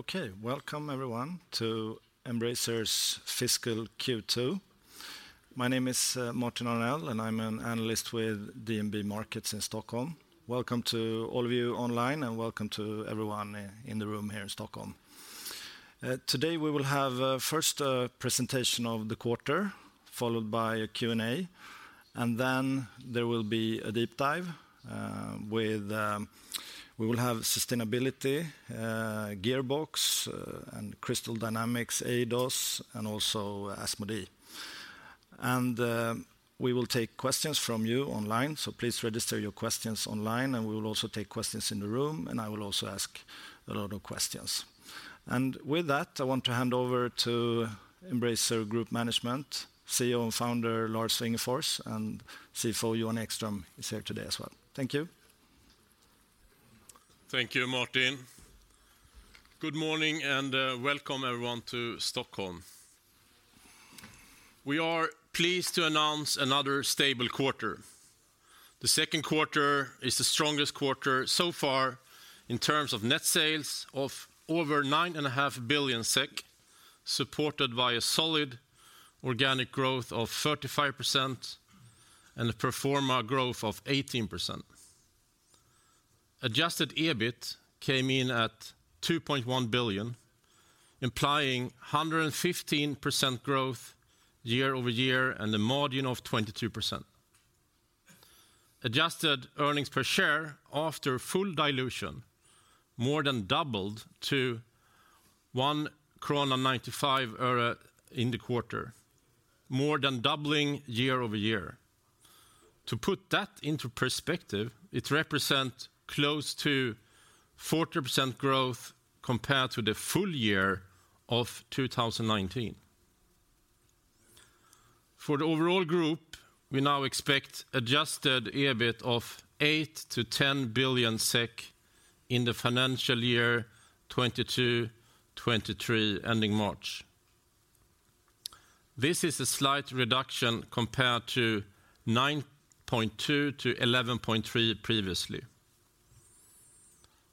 Okay. Welcome everyone to Embracer's Fiscal Q2. My name is Martin Arnell, and I'm an Analyst with DNB Markets in Stockholm. Welcome to all of you online, and welcome to everyone in the room here in Stockholm. Today we will have a first presentation of the quarter, followed by a Q&A, and then there will be a deep dive. We will have sustainability, Gearbox, and Crystal Dynamics, Eidos-Montréal, and also Asmodee. We will take questions from you online, so please register your questions online, and we will also take questions in the room, and I will also ask a lot of questions. With that, I want to hand over to Embracer Group Management, CEO and Founder, Lars Wingefors, and CFO Johan Ekström is here today as well. Thank you. Thank you, Martin. Good morning and welcome everyone to Stockholm. We are pleased to announce another stable quarter. The second quarter is the strongest quarter so far in terms of net sales of over 9.5 billion SEK, supported by a solid organic growth of 35% and a pro forma growth of 18%. Adjusted EBIT came in at 2.1 billion, implying 115% growth year-over-year, and a margin of 22%. Adjusted earnings per share after full dilution more than doubled to 1.95 krona in the quarter, more than doubling year-over-year. To put that into perspective, it represent close to 40% growth compared to the full year of 2019. For the overall group, we now expect Adjusted EBIT of 8 billion-10 billion SEK in the financial year 2022/2023 ending March. This is a slight reduction compared to 9.2-11.3 previously.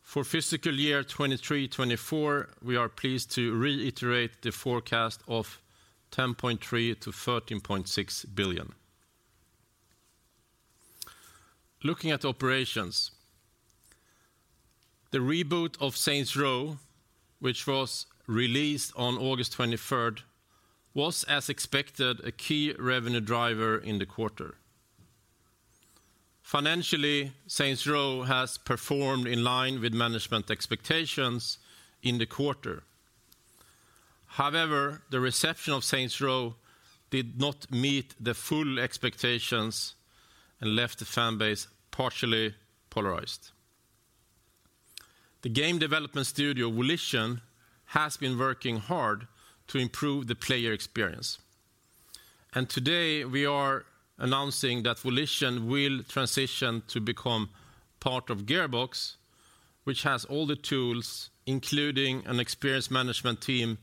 For fiscal year 2023/2024, we are pleased to reiterate the forecast of SEK 10.3 billion-SEK 13.6 billion. Looking at operations, the reboot of Saints Row, which was released on August 23rd, was as expected, a key revenue driver in the quarter. Financially, Saints Row has performed in line with management expectations in the quarter. However, the reception of Saints Row did not meet the full expectations and left the fan base partially polarized. The game development studio Volition has been working hard to improve the player experience, and today we are announcing that Volition will transition to become part of Gearbox, which has all the tools, including an experience management team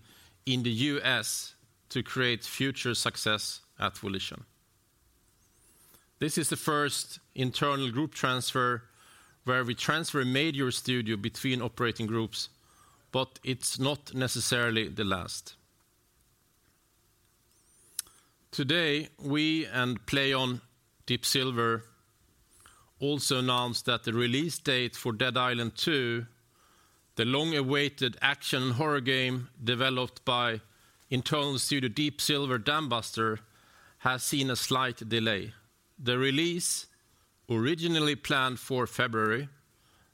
in the U.S. to create future success at Volition. This is the first internal group transfer where we transfer a major studio between operating groups, but it's not necessarily the last. Today, we and PLAION, Deep Silver also announced that the release date for Dead Island 2, the long-awaited action horror game developed by internal studio Deep Silver Dambuster, has seen a slight delay. The release originally planned for February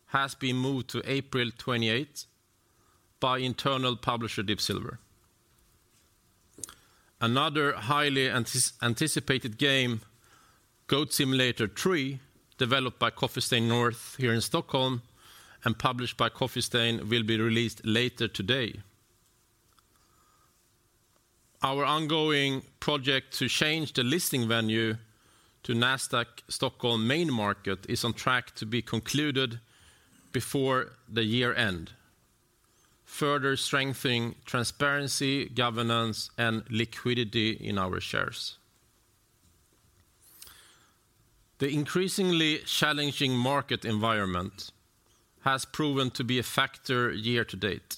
has been moved to April 28th by internal publisher Deep Silver. Another highly anticipated game, Goat Simulator 3, developed by Coffee Stain North here in Stockholm and published by Coffee Stain, will be released later today. Our ongoing project to change the listing venue to Nasdaq Stockholm Main Market is on track to be concluded before the year-end, further strengthening transparency, governance, and liquidity in our shares. The increasingly challenging market environment has proven to be a factor year-to-date.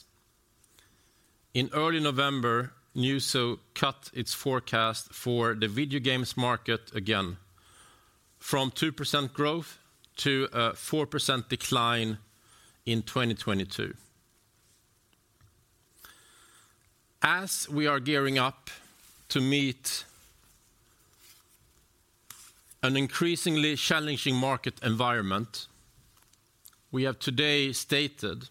In early November, Newzoo cut its forecast for the video games market again from 2% growth to a 4% decline in 2022. As we are gearing up to meet an increasingly challenging market environment, we have today stated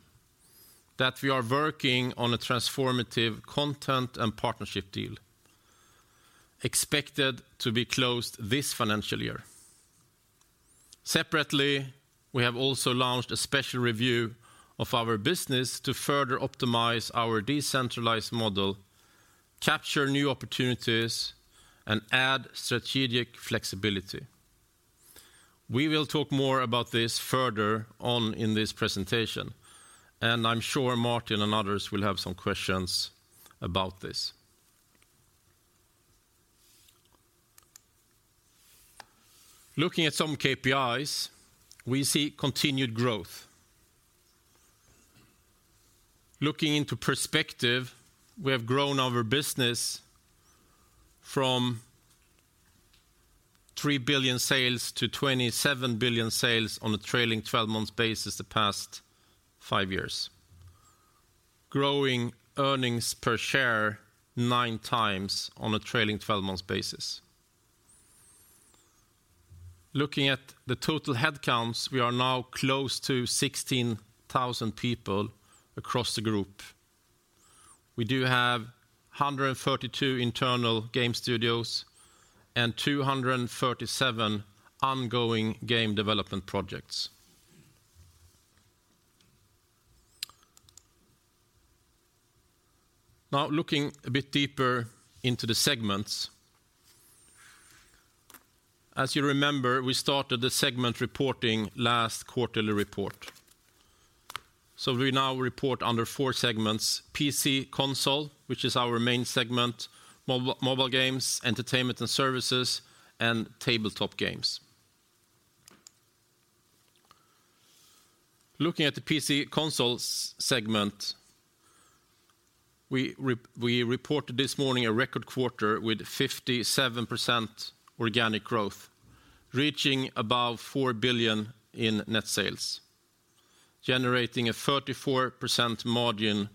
that we are working on a transformative content and partnership deal expected to be closed this financial year. Separately, we have also launched a special review of our business to further optimize our decentralized model, capture new opportunities, and add strategic flexibility. We will talk more about this further on in this presentation, and I'm sure Martin and others will have some questions about this. Looking at some KPIs, we see continued growth. Looking into perspective, we have grown our business from 3 billion sales to 27 billion sales on a trailing 12 months basis the past five years, growing earnings per share nine times on a trailing 12 months basis. Looking at the total headcounts, we are now close to 16,000 people across the group. We do have 132 internal game studios and 237 ongoing game development projects. Now looking a bit deeper into the segments. As you remember, we started the segment reporting last quarterly report. We now report under four segments, PC & Console, which is our main segment, Mobile Games, Entertainment & Services, and Tabletop Games. Looking at the PC & Console segment, we reported this morning a record quarter with 57% organic growth, reaching above 4 billion in net sales, generating a 34% margin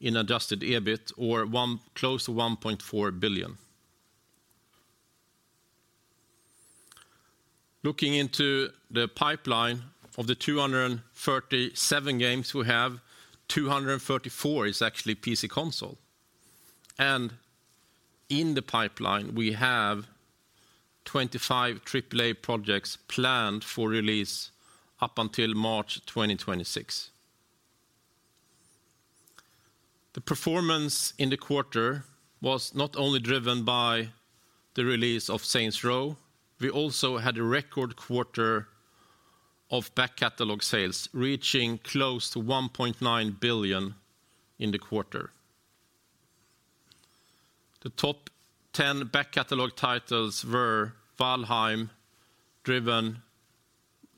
in Adjusted EBIT or close to 1.4 billion. Looking into the pipeline of the 237 games we have, 234 is actually PC & Console. In the pipeline, we have 25 AAA projects planned for release up until March 2026. The performance in the quarter was not only driven by the release of Saints Row, we also had a record quarter of back catalog sales, reaching close to 1.9 billion in the quarter. The top 10 back catalog titles were Valheim,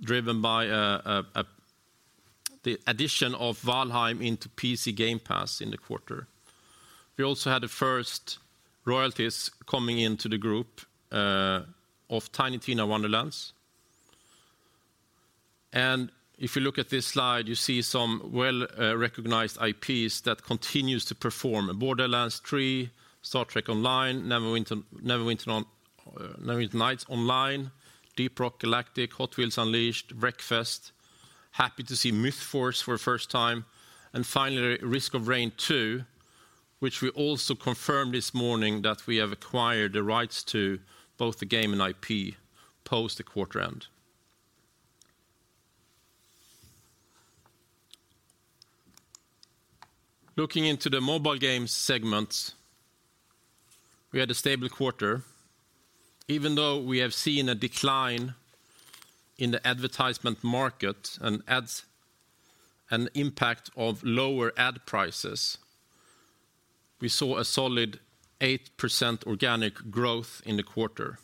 driven by the addition of Valheim into PC Game Pass in the quarter. We also had the first royalties coming into the group of Tiny Tina's Wonderlands. If you look at this slide, you see some well-recognized IPs that continues to perform, Borderlands 3, Star Trek Online, Neverwinter Nights Online, Deep Rock Galactic, Hot Wheels Unleashed, Wreckfest. Happy to see MythForce for the first time. Finally, Risk of Rain 2, which we also confirmed this morning that we have acquired the rights to both the game and IP post the quarter-end. Looking into the mobile game segments, we had a stable quarter. Even though we have seen a decline in the advertisement market and impact of lower ad prices, we saw a solid 8% organic growth in the quarter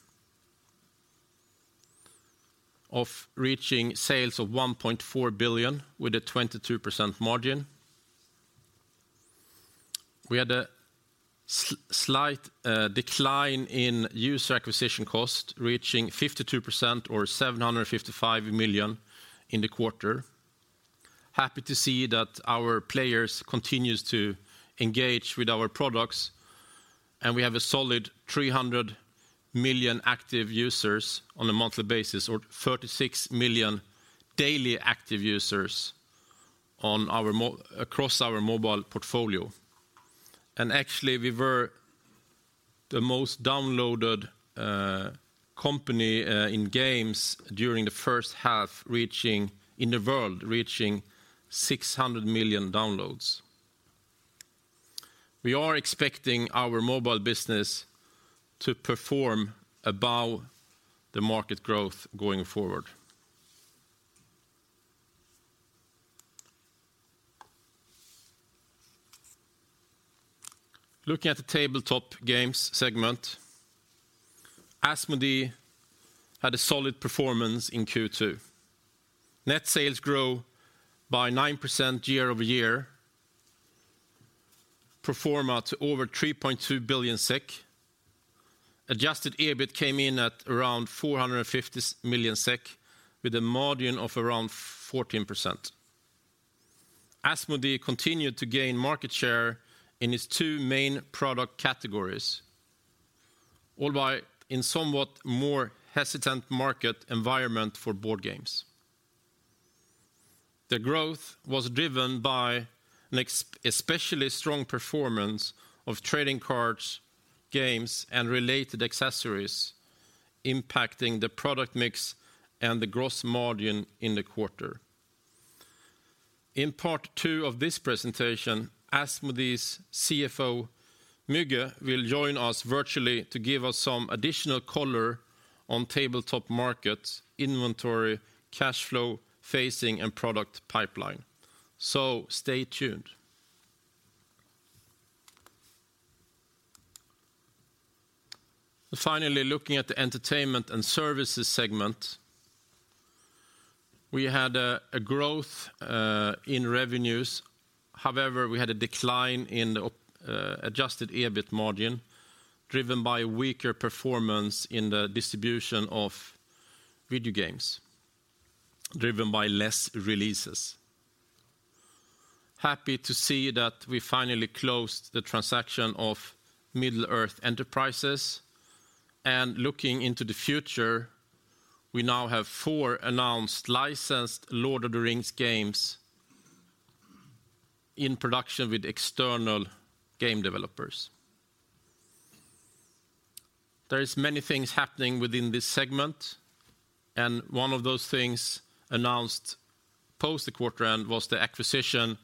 of reaching sales of 1.4 billion with a 22% margin. We had a decline in user acquisition cost, reaching 52% or 755 million in the quarter. Happy to see that our players continues to engage with our products, and we have a solid 300 million active users on a monthly basis or 36 million daily active users across our mobile portfolio. Actually, we were the most downloaded company in games during the first half, in the world, reaching 600 million downloads. We are expecting our mobile business to perform above the market growth going forward. Looking at the Tabletop Games segment, Asmodee had a solid performance in Q2. Net sales grow by 9% year-over-year, pro forma to over 3.2 billion SEK. Adjusted EBIT came in at around 450 million SEK with a margin of around 14%. Asmodee continued to gain market share in its two main product categories, albeit in somewhat more hesitant market environment for board games. The growth was driven by an especially strong performance of trading cards, games, and related accessories impacting the product mix and the gross margin in the quarter. In part two of this presentation, Asmodee's CFO, Müge Bouillon, will join us virtually to give us some additional color on tabletop markets, inventory, cash flow, phasing, and product pipeline. Stay tuned. Finally, looking at the Entertainment and Services segment, we had a growth in revenues. However, we had a decline in the Adjusted EBIT margin driven by weaker performance in the distribution of video games, driven by less releases. Happy to see that we finally closed the transaction of Middle-earth Enterprises. Looking into the future, we now have four announced licensed Lord of the Rings games in production with external game developers. There is many things happening within this segment, and one of those things announced post the quarter end was the acquisition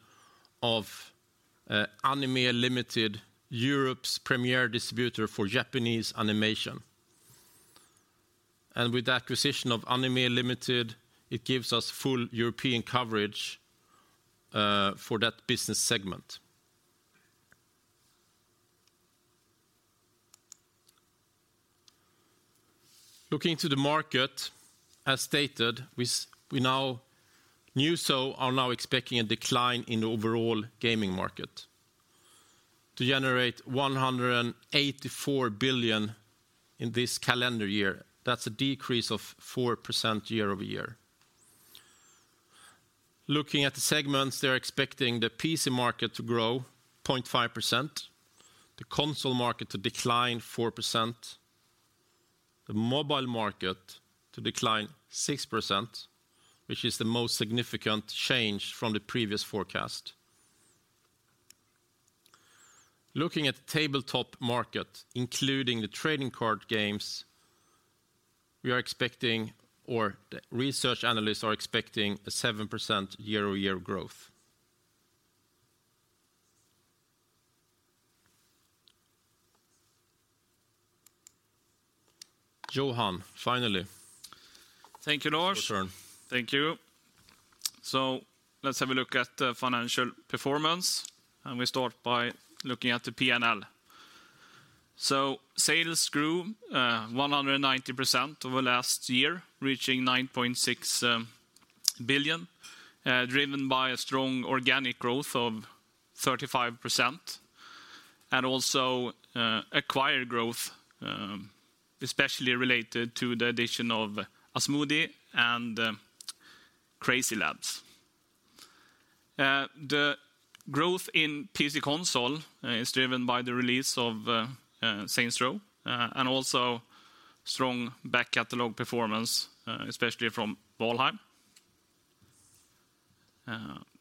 of Anime Limited, Europe's premier distributor for Japanese animation. With the acquisition of Anime Limited, it gives us full European coverage for that business segment. Looking to the market, as stated, Newzoo are now expecting a decline in the overall gaming market to generate 184 billion in this calendar year. That's a decrease of 4% year-over-year. Looking at the segments, they are expecting the PC market to grow 0.5%, the console market to decline 4%, the mobile market to decline 6%, which is the most significant change from the previous forecast. Looking at the tabletop market, including the trading card games, we are expecting or the research analysts are expecting a 7% year-over-year growth. Johan, finally. Thank you, Lars. Your turn. Thank you. Let's have a look at the financial performance, and we start by looking at the P&L. Sales grew 190% over last year, reaching 9.6 billion, driven by a strong organic growth of 35% and also acquired growth, especially related to the addition of Asmodee and CrazyLabs. The growth in PC & Console is driven by the release of Saints Row and also strong back catalog performance, especially from Valheim.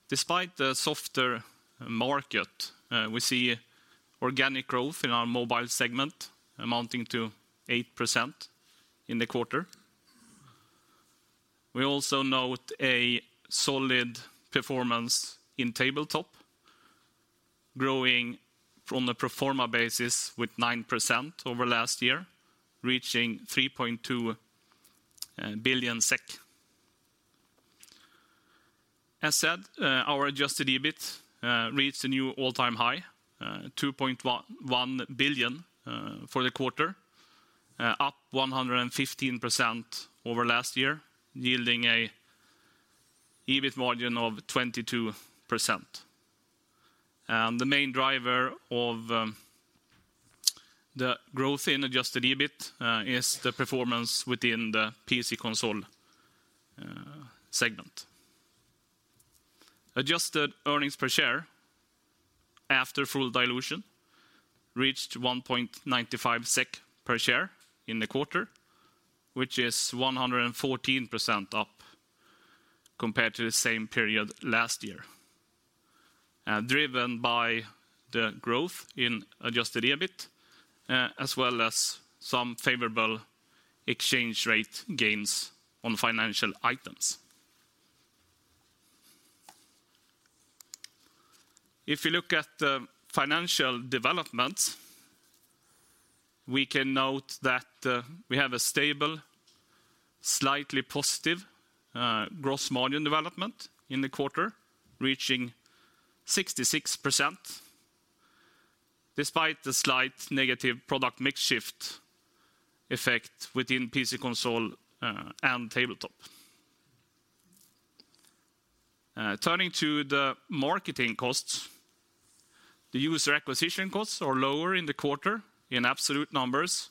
Despite the softer market, we see organic growth in our mobile segment amounting to 8% in the quarter. We also note a solid performance in Tabletop, growing from the pro forma basis with 9% over last year, reaching 3.2 billion SEK. As said, our Adjusted EBIT reads a new all-time high, 2.11 billion for the quarter, up 115% over last year, yielding a EBIT margin of 22%. The main driver of the growth in Adjusted EBIT is the performance within the PC & Console segment. Adjusted Earnings Per Share after full dilution reached 1.95 SEK per share in the quarter, which is 114% up compared to the same period last year, driven by the growth in Adjusted EBIT, as well as some favorable exchange rate gains on financial items. If you look at the financial developments, we can note that we have a stable, slightly positive gross margin development in the quarter, reaching 66% despite the slight negative product mix shift effect within PC & Console and Tabletop. Turning to the marketing costs, the user acquisition costs are lower in the quarter in absolute numbers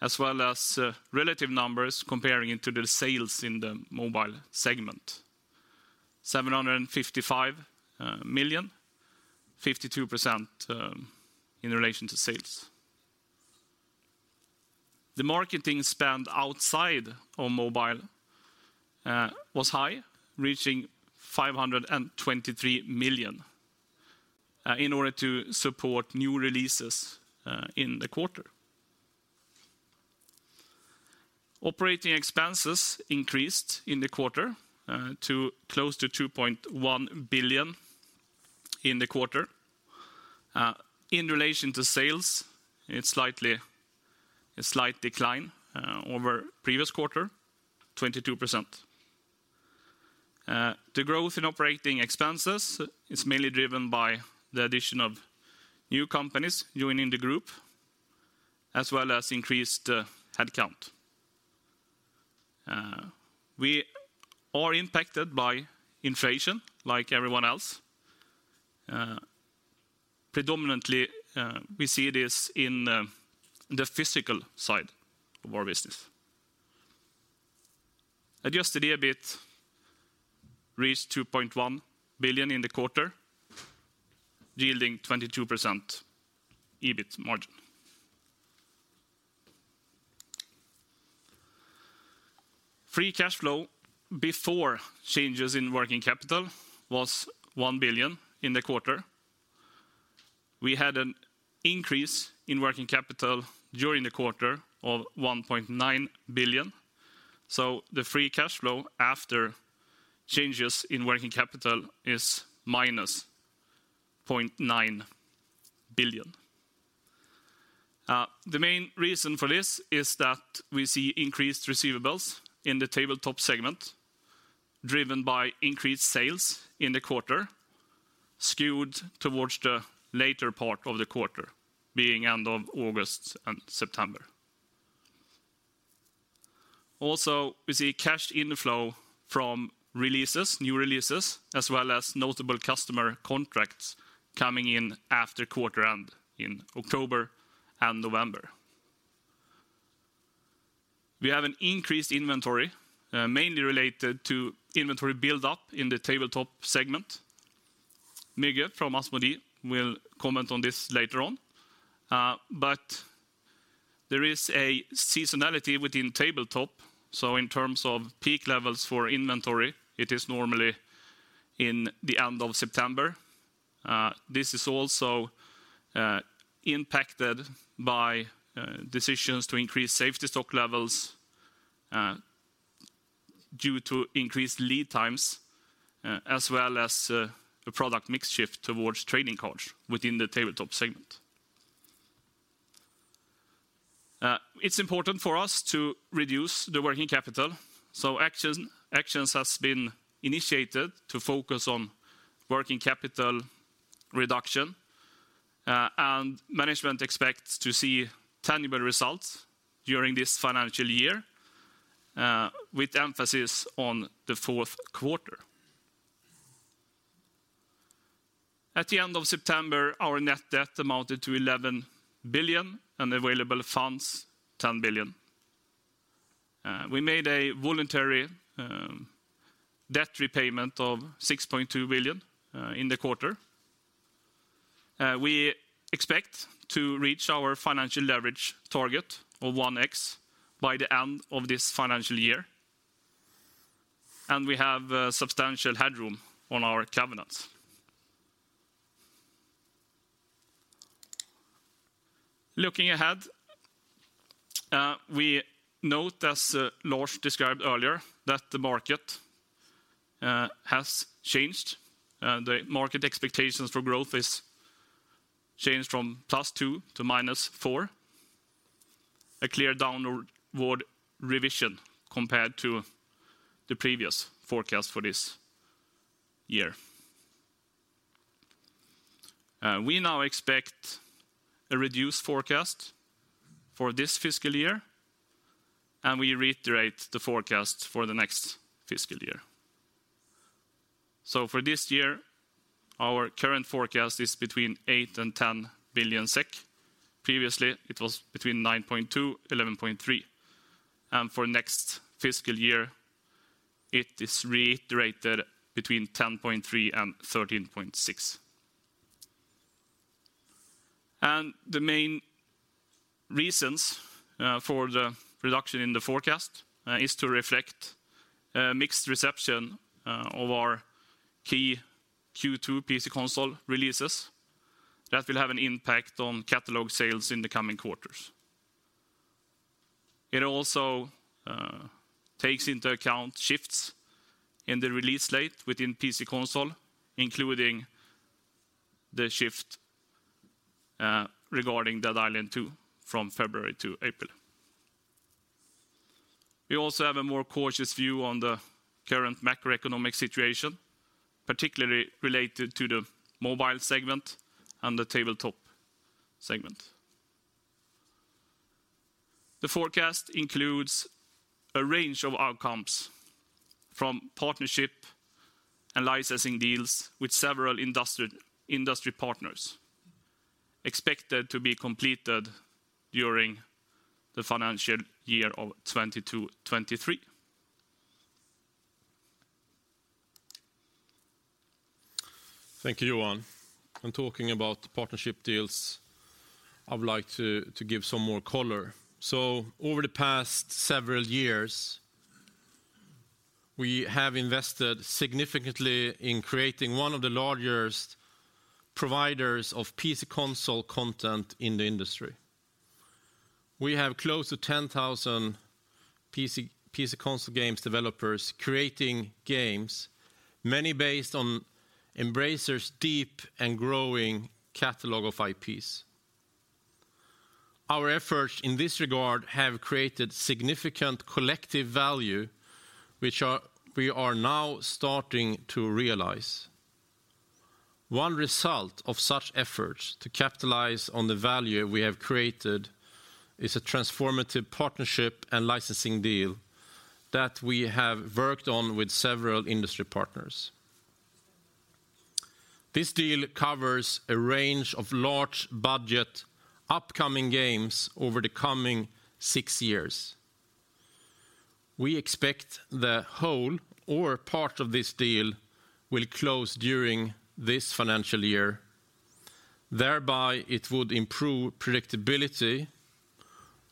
as well as relative numbers comparing it to the sales in the mobile segment. 755 million, 52% in relation to sales. The marketing spend outside of mobile was high, reaching 523 million in order to support new releases in the quarter. Operating expenses increased in the quarter to close to 2.1 billion in the quarter. In relation to sales, a slight decline over previous quarter, 22%. The growth in operating expenses is mainly driven by the addition of new companies joining the group, as well as increased headcount. We are impacted by inflation like everyone else. Predominantly, we see this in the physical side of our business. Adjusted EBIT reached 2.1 billion in the quarter, yielding 22% EBIT margin. Free cash flow before changes in working capital was 1 billion in the quarter. We had an increase in working capital during the quarter of 1.9 billion. The free cash flow after changes in working capital is -0.9 billion. The main reason for this is that we see increased receivables in the Tabletop segment, driven by increased sales in the quarter, skewed towards the later part of the quarter, being end of August and September. Also, we see cash inflow from new releases, as well as notable customer contracts coming in after quarter end in October and November. We have an increased inventory, mainly related to inventory build-up in the Tabletop segment. Müge from Asmodee will comment on this later on. There is a seasonality within Tabletop, so in terms of peak levels for inventory, it is normally in the end of September. This is also impacted by decisions to increase safety stock levels due to increased lead times, as well as the product mix shift towards trading cards within the Tabletop segment. It's important for us to reduce the working capital. Actions has been initiated to focus on working capital reduction. Management expects to see tangible results during this financial year, with emphasis on the fourth quarter. At the end of September, our net debt amounted to 11 billion, and available funds 10 billion. We made a voluntary debt repayment of 6.2 billion in the quarter. We expect to reach our financial leverage target of 1x by the end of this financial year, and we have substantial headroom on our covenants. Looking ahead, we note, as Lars described earlier, that the market has changed, and the market expectations for growth is changed from +2% to -4%, a clear downward revision compared to the previous forecast for this year. We now expect a reduced forecast for this fiscal year, and we reiterate the forecast for the next fiscal year. For this year, our current forecast is between SEK 8 billion and SEK 10 billion. Previously, it was between SEK 9.2 billion-SEK 11.3 billion. For next fiscal year, it is reiterated between SEK 10.3 billion and SEK 13.6 billion. The main reasons for the reduction in the forecast is to reflect mixed reception of our key Q2 PC & Console releases that will have an impact on catalog sales in the coming quarters. It also takes into account shifts in the release slate within PC & Console, including the shift regarding Dead Island 2 from February to April. We also have a more cautious view on the current macroeconomic situation, particularly related to the mobile segment and the Tabletop segment. The forecast includes a range of outcomes from partnership and licensing deals with several industry partners expected to be completed during the financial year of 2022-2023. Thank you, Johan. When talking about partnership deals, I would like to give some more color. Over the past several years, we have invested significantly in creating one of the largest providers of PC & Console content in the industry. We have close to 10,000 PC & Console games developers creating games, many based on Embracer's deep and growing catalog of IPs. Our efforts in this regard have created significant collective value we are now starting to realize. One result of such efforts to capitalize on the value we have created is a transformative partnership and licensing deal that we have worked on with several industry partners. This deal covers a range of large-budget upcoming games over the coming six years. We expect the whole or part of this deal will close during this financial year, thereby, it would improve predictability,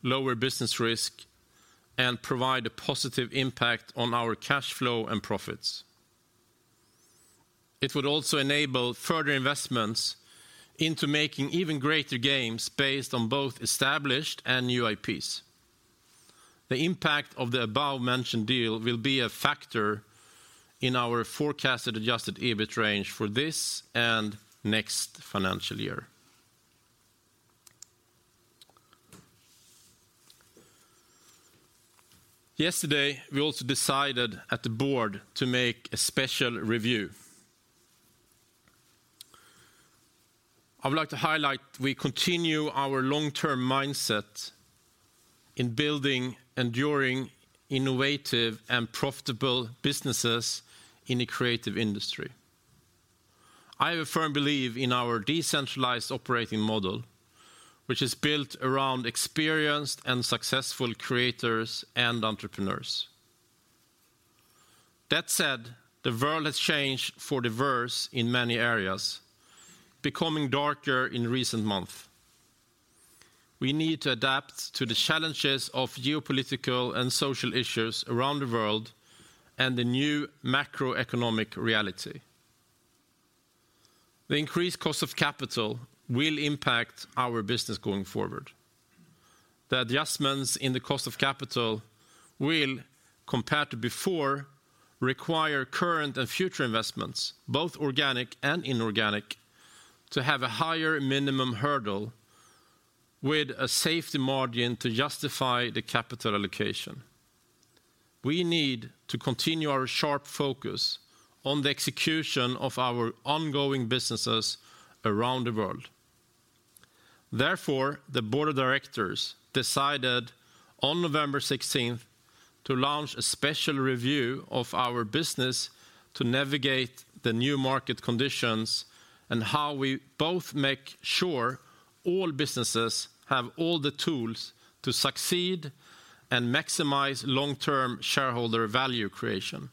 lower business risk, and provide a positive impact on our cash flow and profits. It would also enable further investments into making even greater games based on both established and new IPs. The impact of the above-mentioned deal will be a factor in our forecasted Adjusted EBIT range for this and next financial year. Yesterday, we also decided at the Board to make a special review. I would like to highlight we continue our long-term mindset in building enduring, innovative, and profitable businesses in a creative industry. I have a firm belief in our decentralized operating model, which is built around experienced and successful creators and entrepreneurs. That said, the world has changed for the worse in many areas, becoming darker in recent months. We need to adapt to the challenges of geopolitical and social issues around the world and the new macroeconomic reality. The increased cost of capital will impact our business going forward. The adjustments in the cost of capital will, compared to before, require current and future investments, both organic and inorganic, to have a higher minimum hurdle with a safety margin to justify the capital allocation. We need to continue our sharp focus on the execution of our ongoing businesses around the world. Therefore, the Board of Directors decided on November 16th to launch a special review of our business to navigate the new market conditions and how we both make sure all businesses have all the tools to succeed and maximize long-term shareholder value creation.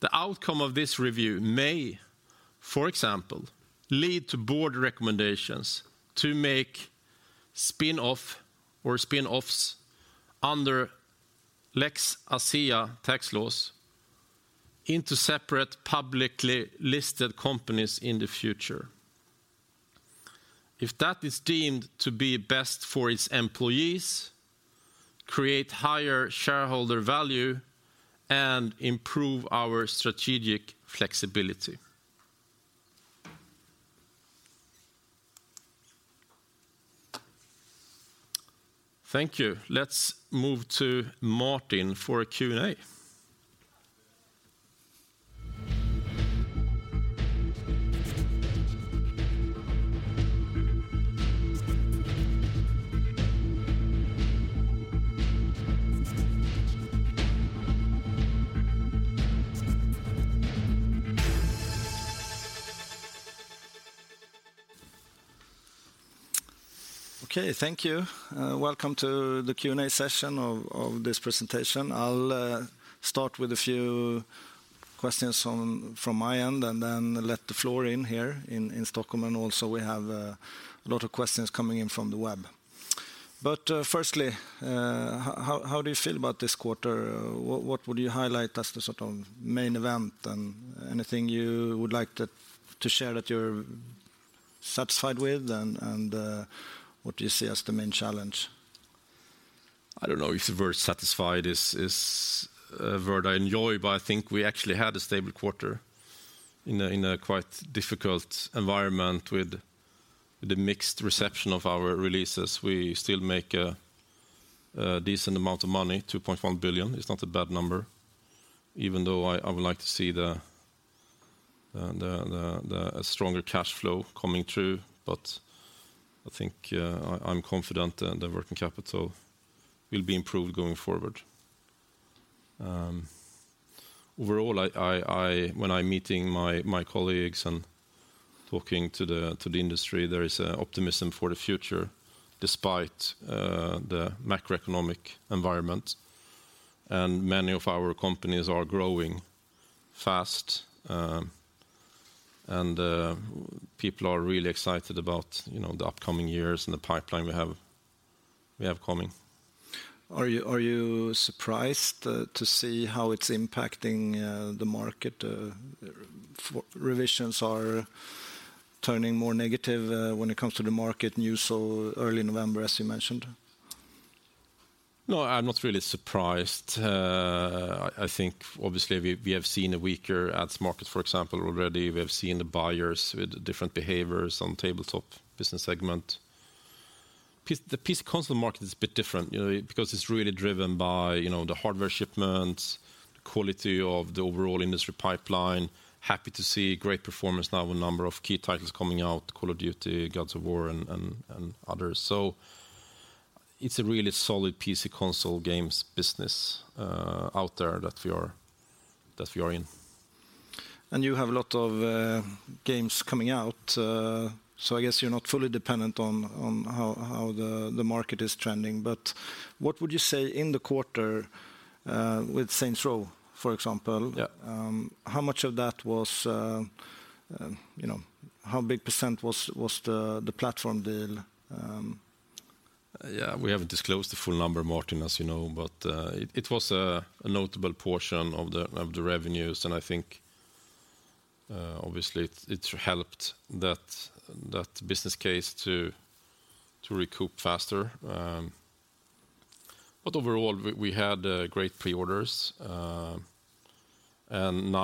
The outcome of this review may, for example, lead to board recommendations to make spin-off or spin-offs under Lex Asea tax laws into separate publicly listed companies in the future, if that is deemed to be best for its employees, create higher shareholder value, and improve our strategic flexibility. Thank you. Let's move to Martin for a Q&A. Okay. Thank you. Welcome to the Q&A session of this presentation. I'll start with a few questions from my end, and then let the floor in here in Stockholm, and also we have a lot of questions coming in from the web. Firstly, how do you feel about this quarter? What would you highlight as the sort of main event, and anything you would like to share that you're satisfied with and what do you see as the main challenge? I don't know if the word satisfied is a word I enjoy, but I think we actually had a stable quarter in a quite difficult environment with the mixed reception of our releases. We still make a decent amount of money, 2.1 billion. It's not a bad number, even though I would like to see the stronger cash flow coming through. I think I'm confident the working capital will be improved going forward. Overall, when I'm meeting my colleagues and talking to the industry, there is an optimism for the future despite the macroeconomic environment, and many of our companies are growing fast, and people are really excited about, you know, the upcoming years and the pipeline we have coming. Are you surprised to see how it's impacting the market? Revisions are turning more negative when it comes to the market news so early November, as you mentioned. No, I'm not really surprised. I think obviously we have seen a weaker ads market, for example, already. We have seen the buyers with different behaviors on Tabletop business segment. The PC & Console market is a bit different, you know, because it's really driven by, you know, the hardware shipments, the quality of the overall industry pipeline. Happy to see great performance now with a number of key titles coming out, Call of Duty, God of War and others. It's a really solid PC & Console games business out there that we are in. You have a lot of games coming out. I guess you're not fully dependent on how the market is trending. What would you say in the quarter with Saints Row, for example? Yeah. You know, how big percent was the platform deal? Yeah, we haven't disclosed the full number, Martin, as you know. It was a notable portion of the revenues. I think obviously it helped that business case to recoup faster. Overall we had great pre-orders. Now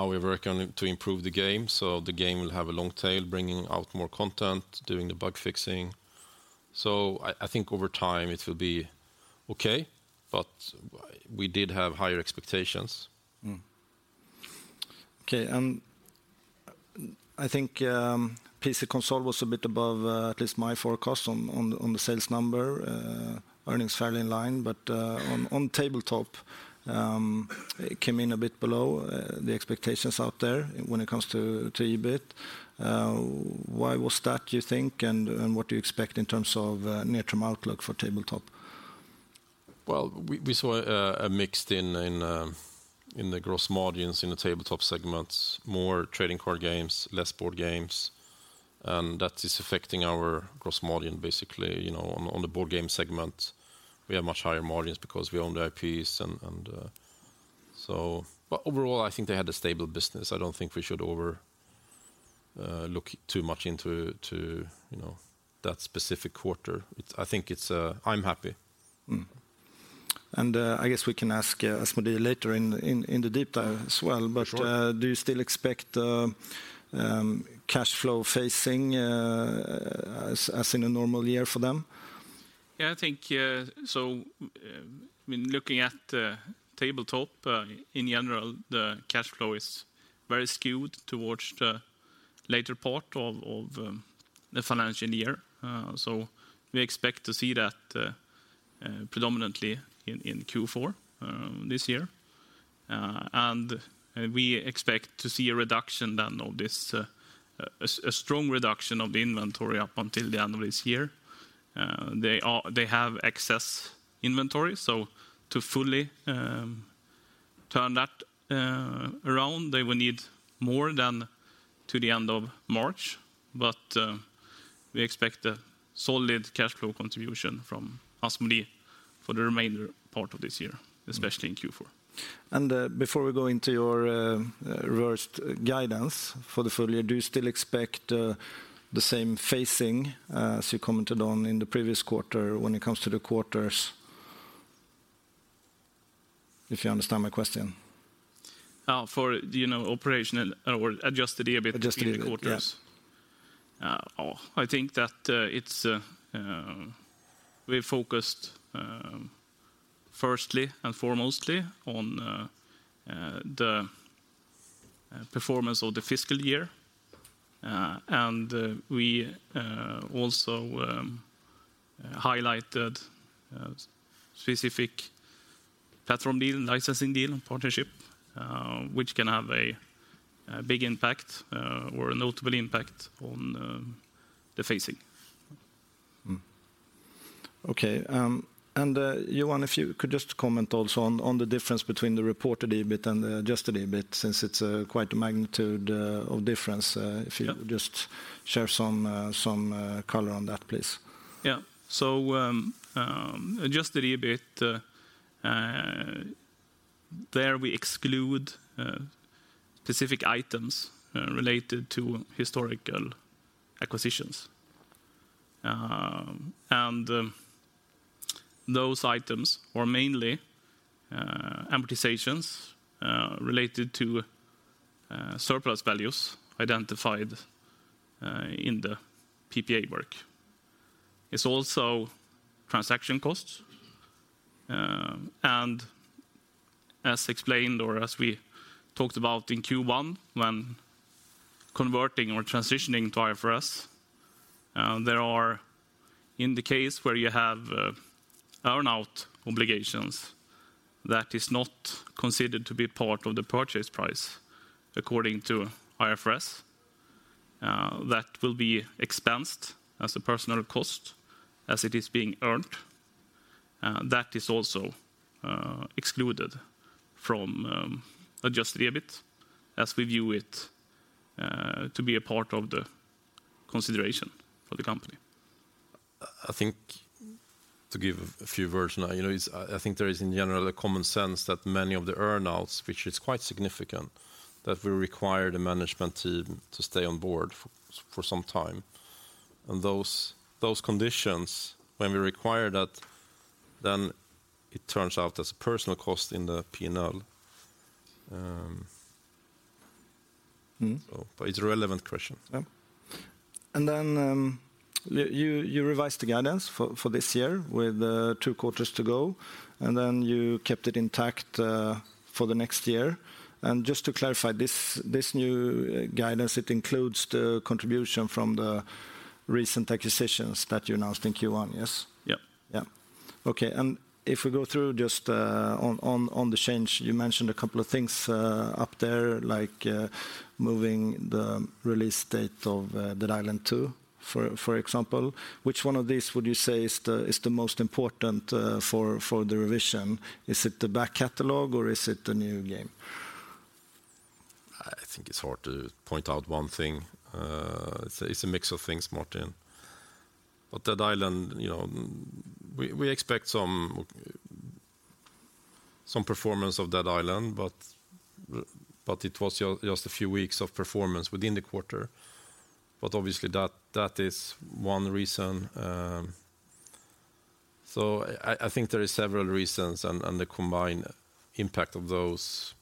we're working to improve the game. The game will have a long tail, bringing out more content, doing the bug fixing. I think over time it will be okay, but we did have higher expectations. Okay. I think PC & Console was a bit above at least my forecast on the sales number. Earnings fairly in line. On Tabletop, it came in a bit below the expectations out there when it comes to EBIT. Why was that, you think, and what do you expect in terms of near-term outlook for Tabletop? Well, we saw a mix in the gross margins in the Tabletop segments, more trading card games, less board games, and that is affecting our gross margin basically. You know, on the board game segment we have much higher margins because we own the I.P.s. Overall, I think they had a stable business. I don't think we should look too much into to, you know, that specific quarter. I'm happy. I guess we can ask Asmodee later in the deep dive as well. Sure. Do you still expect cash flow phasing as in a normal year for them? Yeah, I think, I mean, looking at the Tabletop in general, the cash flow is very skewed towards the later part of the financial year. We expect to see that predominantly in Q4 this year. We expect to see a reduction then of a strong reduction of the inventory up until the end of this year. They have excess inventory, so to fully turn that around they will need more than to the end of March. We expect a solid cash flow contribution from Asmodee for the remainder part of this year, especially in Q4. Before we go into your revised guidance for the full year, do you still expect the same phasing as you commented on in the previous quarter when it comes to the quarters? If you understand my question. For the, you know, operational or Adjusted EBIT. Adjusted EBIT, yeah. Between the quarters? I think that we're focused firstly and foremostly on the performance of the fiscal year. We also highlighted specific platform deal, licensing deal and partnership, which can have a big impact or a notable impact on the phasing. Okay. Johan, if you could just comment also on the difference between the reported EBIT and the Adjusted EBIT, since it's quite a magnitude of difference. Yeah Just share some color on that, please. Yeah. Adjusted EBIT, there we exclude specific items related to historical acquisitions. Those items are mainly amortizations related to surplus values identified in the PPA work. It's also transaction costs. As explained or as we talked about in Q1, when converting or transitioning to IFRS, there are in the case where you have earn-out obligations that is not considered to be part of the purchase price according to IFRS. That will be expensed as a personnel cost as it is being earned. That is also excluded from Adjusted EBIT as we view it to be a part of the consideration for the company. I think to give a few version, you know, I think there is in general a common sense that many of the earn-outs, which is quite significant, that we require the management team to stay on board for some time. Those conditions, when we require that, then it turns out as personnel cost in the P&L. Mm. It's a relevant question. Yeah. You revised the guidance for this year with two quarters to go, and then you kept it intact for the next year. Just to clarify, this new guidance, it includes the contribution from the recent acquisitions that you announced in Q1, yes? Yeah. Yeah. Okay. If we go through just on the change, you mentioned a couple of things up there, like moving the release date of Dead Island 2, for example. Which one of these would you say is the most important for the revision? Is it the back catalog or is it the new game? I think it's hard to point out one thing. It's a mix of things, Martin. Dead Island, you know, we expect some performance of Dead Island, but it was just a few weeks of performance within the quarter. Obviously that is one reason. I think there are several reasons and the combined impact of those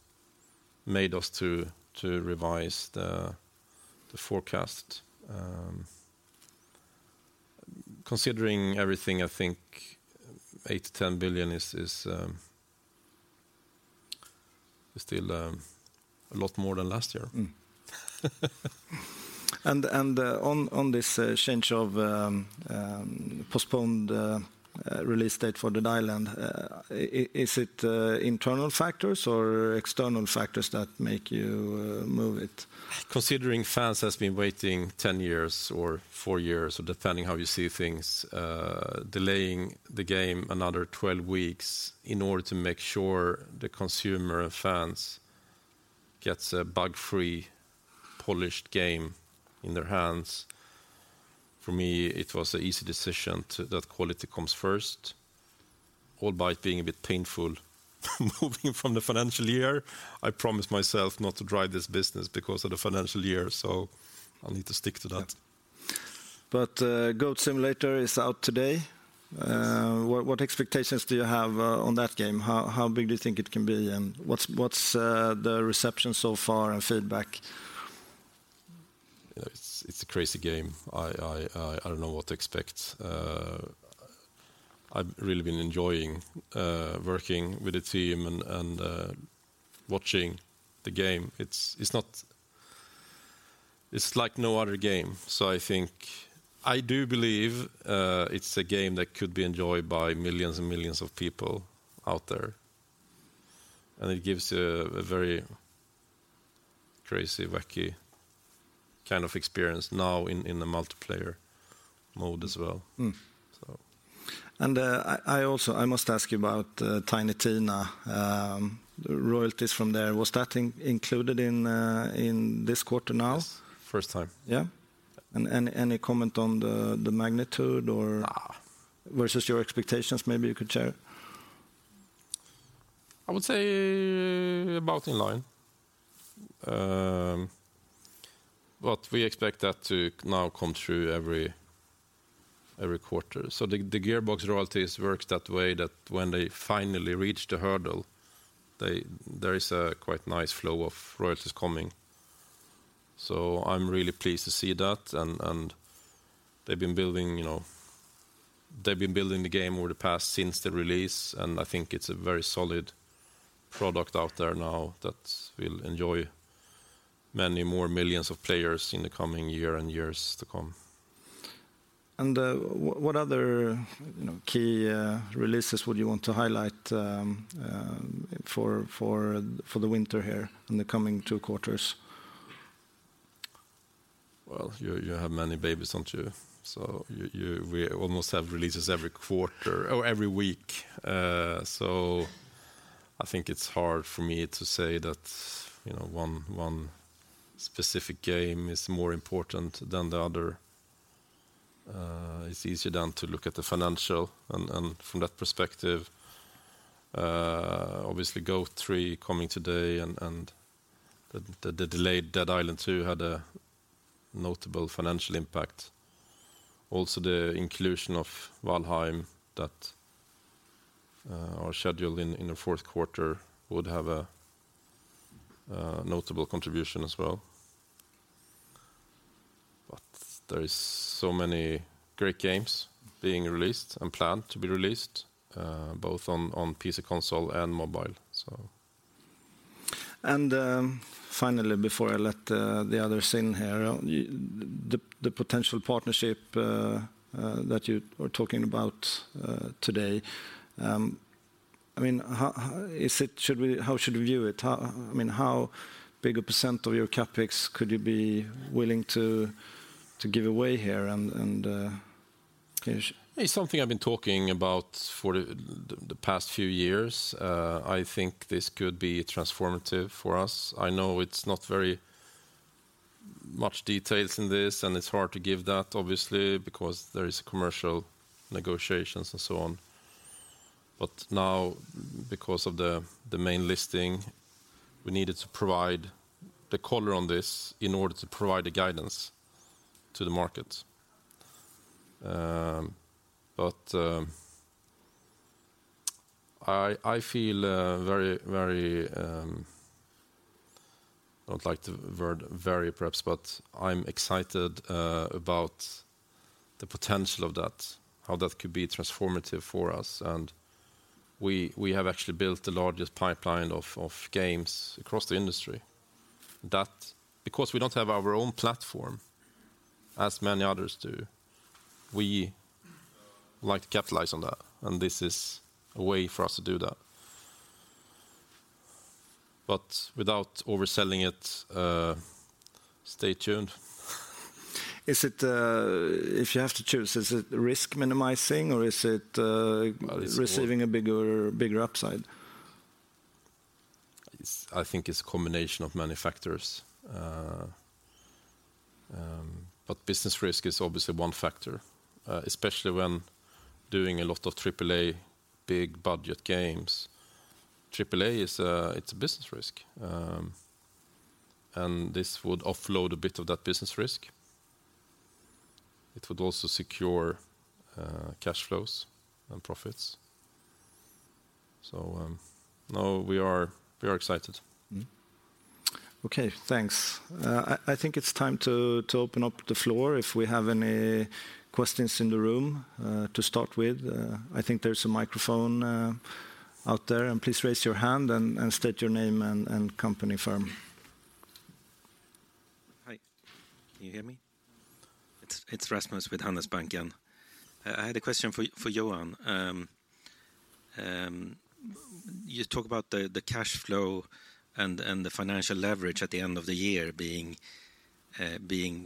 made us to revise the forecast. Considering everything, I think 8 billion-10 billion is still a lot more than last year. On this change of postponed release date for Dead Island, is it internal factors or external factors that make you move it? Considering fans has been waiting 10 years or four years, or depending how you see things, delaying the game another 12 weeks in order to make sure the consumer and fans gets a bug-free, polished game in their hands, for me, it was an easy decision to, that quality comes first, albeit being a bit painful moving from the financial year. I promised myself not to drive this business because of the financial year, so I'll need to stick to that. Yeah. Goat Simulator is out today. Yes. What expectations do you have on that game? How big do you think it can be? What's the reception so far and feedback? It's a crazy game. I don't know what to expect. I've really been enjoying working with the team and watching the game. It's like no other game. I do believe it's a game that could be enjoyed by millions and millions of people out there, and it gives a very crazy, wacky kind of experience now in the multiplayer mode as well. Mm. So. I also must ask you about Tiny Tina. The royalties from there, was that included in this quarter now? Yes. First time. Yeah? Any comment on the magnitude? Nah Versus your expectations, maybe you could share? I would say about in line. We expect that to now come through every quarter. The Gearbox royalties works that way that when they finally reach the hurdle, there is a quite nice flow of royalties coming. I'm really pleased to see that and they've been building, you know, the game since the release, and I think it's a very solid product out there now that will enjoy many more millions of players in the coming year and years to come. What other, you know, key releases would you want to highlight for the winter here in the coming two quarters? Well, you have many babies, don't you? We almost have releases every quarter or every week. I think it's hard for me to say that, you know, one specific game is more important than the other. It's easier then to look at the financial and from that perspective, obviously Goat 3 coming today and the delayed Dead Island 2 had a notable financial impact. Also, the inclusion of Valheim that are scheduled in the fourth quarter would have a notable contribution as well. There is so many great games being released and planned to be released, both on PC, console, and mobile. Finally, before I let the others in here, the potential partnership that you are talking about today, I mean, how should we view it? I mean, how big a % of your CapEx could you be willing to give away here? It's something I've been talking about for the past few years. I think this could be transformative for us. I know it's not very much details in this, and it's hard to give that obviously, because there is commercial negotiations and so on. Now because of the main listing, we needed to provide the color on this in order to provide the guidance to the market. I feel very, I would like the word very perhaps, but I'm excited about the potential of that, how that could be transformative for us. We have actually built the largest pipeline of games across the industry. That because we don't have our own platform as many others do, we like to capitalize on that, and this is a way for us to do that. Without overselling it, stay tuned. If you have to choose, is it risk minimizing? It's more. Receiving a bigger upside? I think it's a combination of many factors. Business risk is obviously one factor, especially when doing a lot of AAA big-budget games. AAA is a business risk, and this would offload a bit of that business risk. It would also secure cash flows and profits. No, we are excited. Mm-hmm. Okay, thanks. I think it's time to open up the floor if we have any questions in the room to start with. I think there's a microphone out there, and please raise your hand and state your name and company firm. Hi. Can you hear me? It's Rasmus with Handelsbanken. I had a question for Johan. You talk about the cash flow and the financial leverage at the end of the year being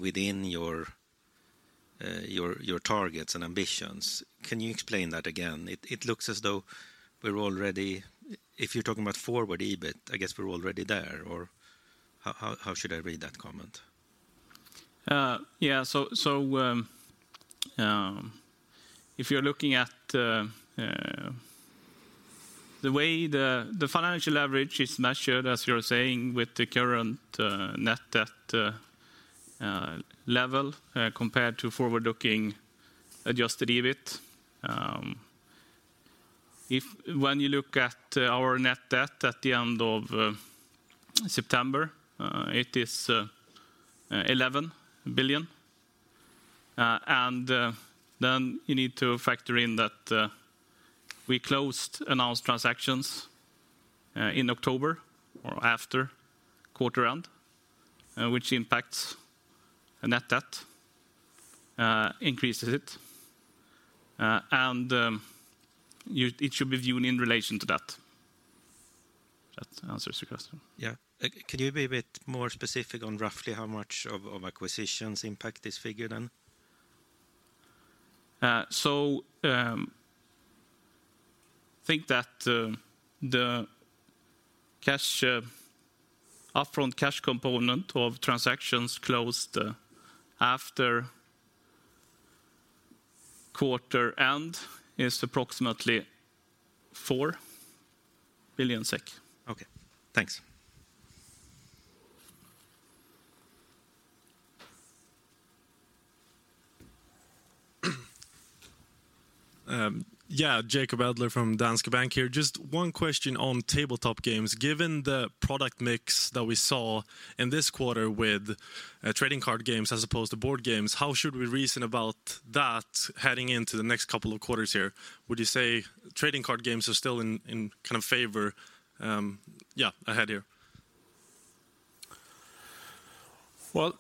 within your targets and ambitions. Can you explain that again? If you're talking about forward EBIT, I guess we're already there, or how should I read that comment? Yeah, if you're looking at the way the financial leverage is measured, as you're saying, with the current net debt level compared to forward-looking Adjusted EBIT, when you look at our net debt at the end of September, it is 11 billion. You need to factor in that we closed announced transactions in October or after quarter end, which impacts the net debt, increases it. It should be viewed in relation to that. That answers your question. Yeah. Could you be a bit more specific on roughly how much of acquisitions impact this figure then? Think that the upfront cash component of transactions closed after quarter end is approximately 4 billion SEK. Okay, thanks. Yeah, Jacob Adler from Danske Bank here. Just one question on Tabletop games. Given the product mix that we saw in this quarter with trading card games as opposed to board games, how should we reason about that heading into the next couple of quarters here? Would you say trading card games are still in kind of favor, yeah, ahead here? Well,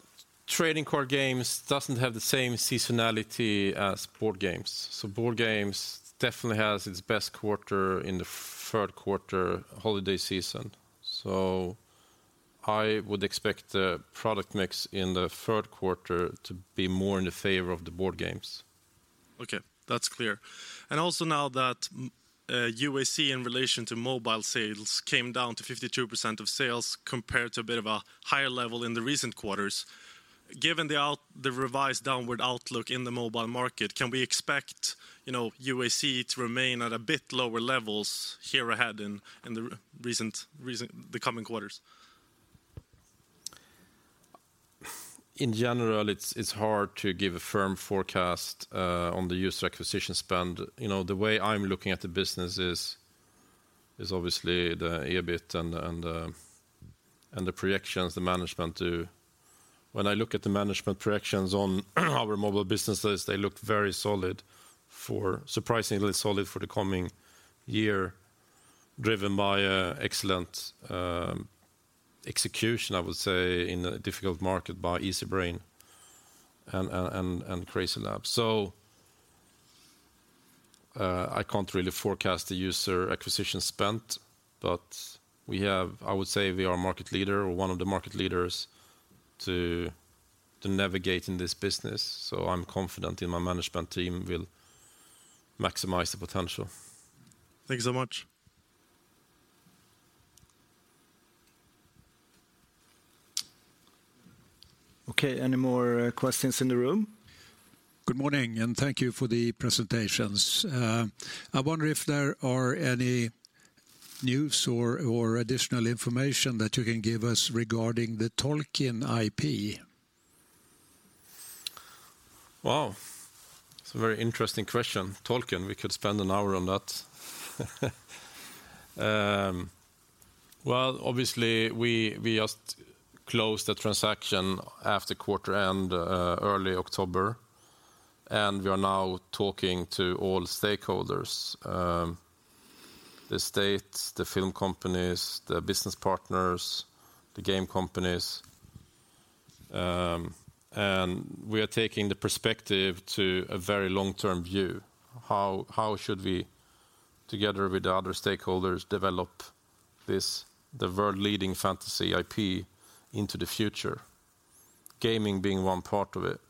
trading card games doesn't have the same seasonality as board games. Board games definitely has its best quarter in the third quarter holiday season. I would expect the product mix in the third quarter to be more in the favor of the board games. Okay, that's clear. Also now that UAC in relation to mobile sales came down to 52% of sales compared to a bit of a higher level in the recent quarters. Given the revised downward outlook in the mobile market, can we expect, you know, UAC to remain at a bit lower levels here ahead in the coming quarters? In general, it's hard to give a firm forecast on the user acquisition spend. You know, the way I'm looking at the business is obviously the EBIT and the projections the management do. When I look at the management projections on our mobile businesses, they look very solid, surprisingly solid for the coming year, driven by a excellent execution, I would say, in a difficult market by Easybrain and CrazyLabs. I can't really forecast the user acquisition spend, but I would say we are a market leader or one of the market leaders to navigate in this business, so I'm confident in my management team will maximize the potential. Thank you so much. Okay, any more questions in the room? Good morning. Thank you for the presentations. I wonder if there are any news or additional information that you can give us regarding the Tolkien IP? Wow. That's a very interesting question. Tolkien, we could spend an hour on that. Well, obviously we just closed the transaction after quarter end, early October, and we are now talking to all stakeholders, the estate, the film companies, the business partners, the game companies, and we are taking the perspective to a very long-term view. How should we, together with the other stakeholders, develop this, the world-leading fantasy I.P. into the future, gaming being one part of it?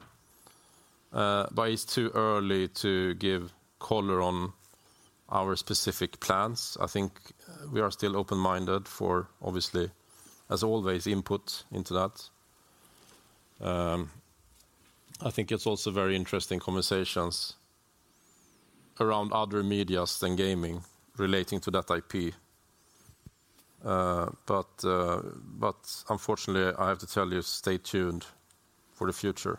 It's too early to give color on our specific plans. I think we are still open-minded for, obviously, as always, input into that. I think it's also very interesting conversations around other medias than gaming relating to that I.P. Unfortunately, I have to tell you, stay tuned for the future.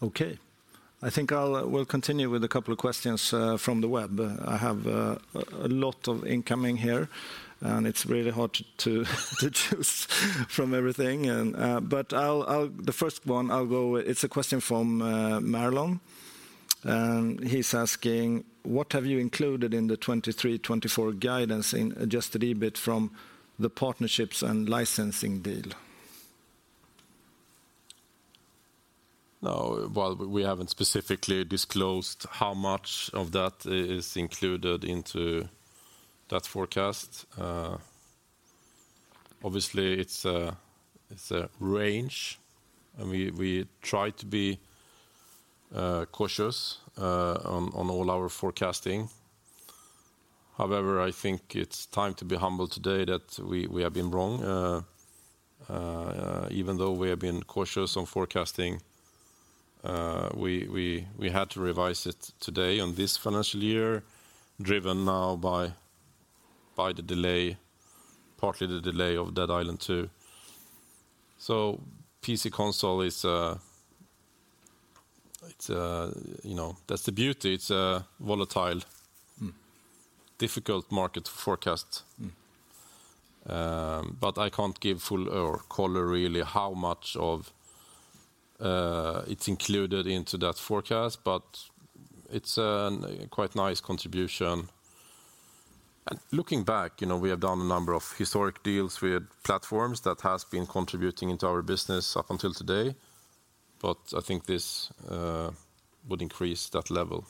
Okay, I think we'll continue with a couple of questions from the web. I have a lot of incoming here, and it's really hard to choose from everything. The first one I'll go with, it's a question from Marlon, and he's asking what have you included in the 2023/2024 guidance in Adjusted EBIT from the partnerships and licensing deal? No. Well, we haven't specifically disclosed how much of that is included into that forecast. Obviously, it's a range, and we try to be cautious on all our forecasting. However, I think it's time to be humble today that we have been wrong. Even though we have been cautious on forecasting, we had to revise it today on this financial year, driven now by the delay, partly the delay of Dead Island 2. PC & Console is, you know, that's the beauty. It's a volatile. Mm. Difficult market to forecast. Mm. I can't give full color really how much of it's included into that forecast, but it's quite nice contribution. Looking back, you know, we have done a number of historic deals with platforms that has been contributing into our business up until today, but I think this would increase that level.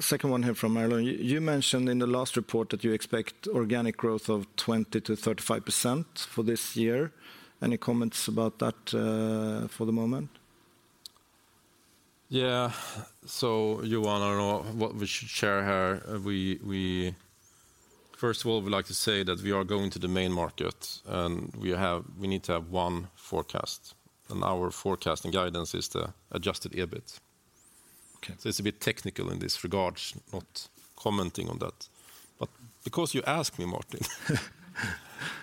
Second one here from Marlon. You mentioned in the last report that you expect organic growth of 20%-35% for this year. Any comments about that for the moment? Yeah. Johan and all, what we should share here, first of all, we'd like to say that we are going to the Main Market, and we need to have one forecast, and our forecast and guidance is the Adjusted EBIT. Okay. It's a bit technical in this regard, not commenting on that. Because you asked me, Martin,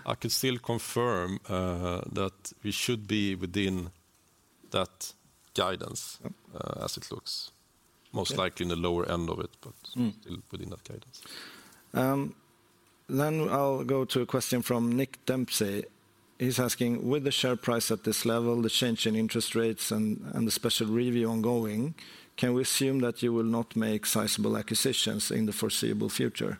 I could still confirm that we should be within that guidance. Mm. As it looks, most likely in the lower end of it. Mm. Still within that guidance. I'll go to a question from Nick Dempsey. He's asking, with the share price at this level, the change in interest rates and the special review ongoing, can we assume that you will not make sizable acquisitions in the foreseeable future?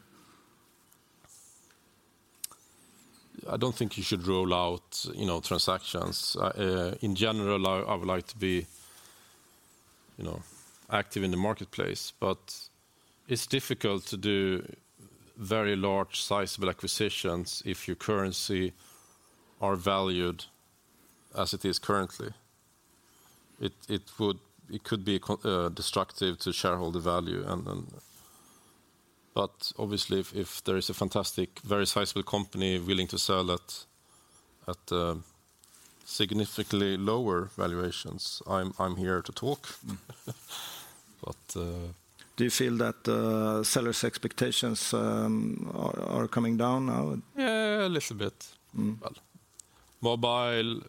I don't think you should rule out, you know, transactions. In general, I would like to be, you know, active in the marketplace. It's difficult to do very large sizable acquisitions if your currency are valued as it is currently. It could be destructive to shareholder value. Obviously, if there is a fantastic, very sizable company willing to sell at significantly lower valuations, I'm here to talk. Do you feel that sellers' expectations are coming down now? Yeah, a little bit. Mm. Well, mobile,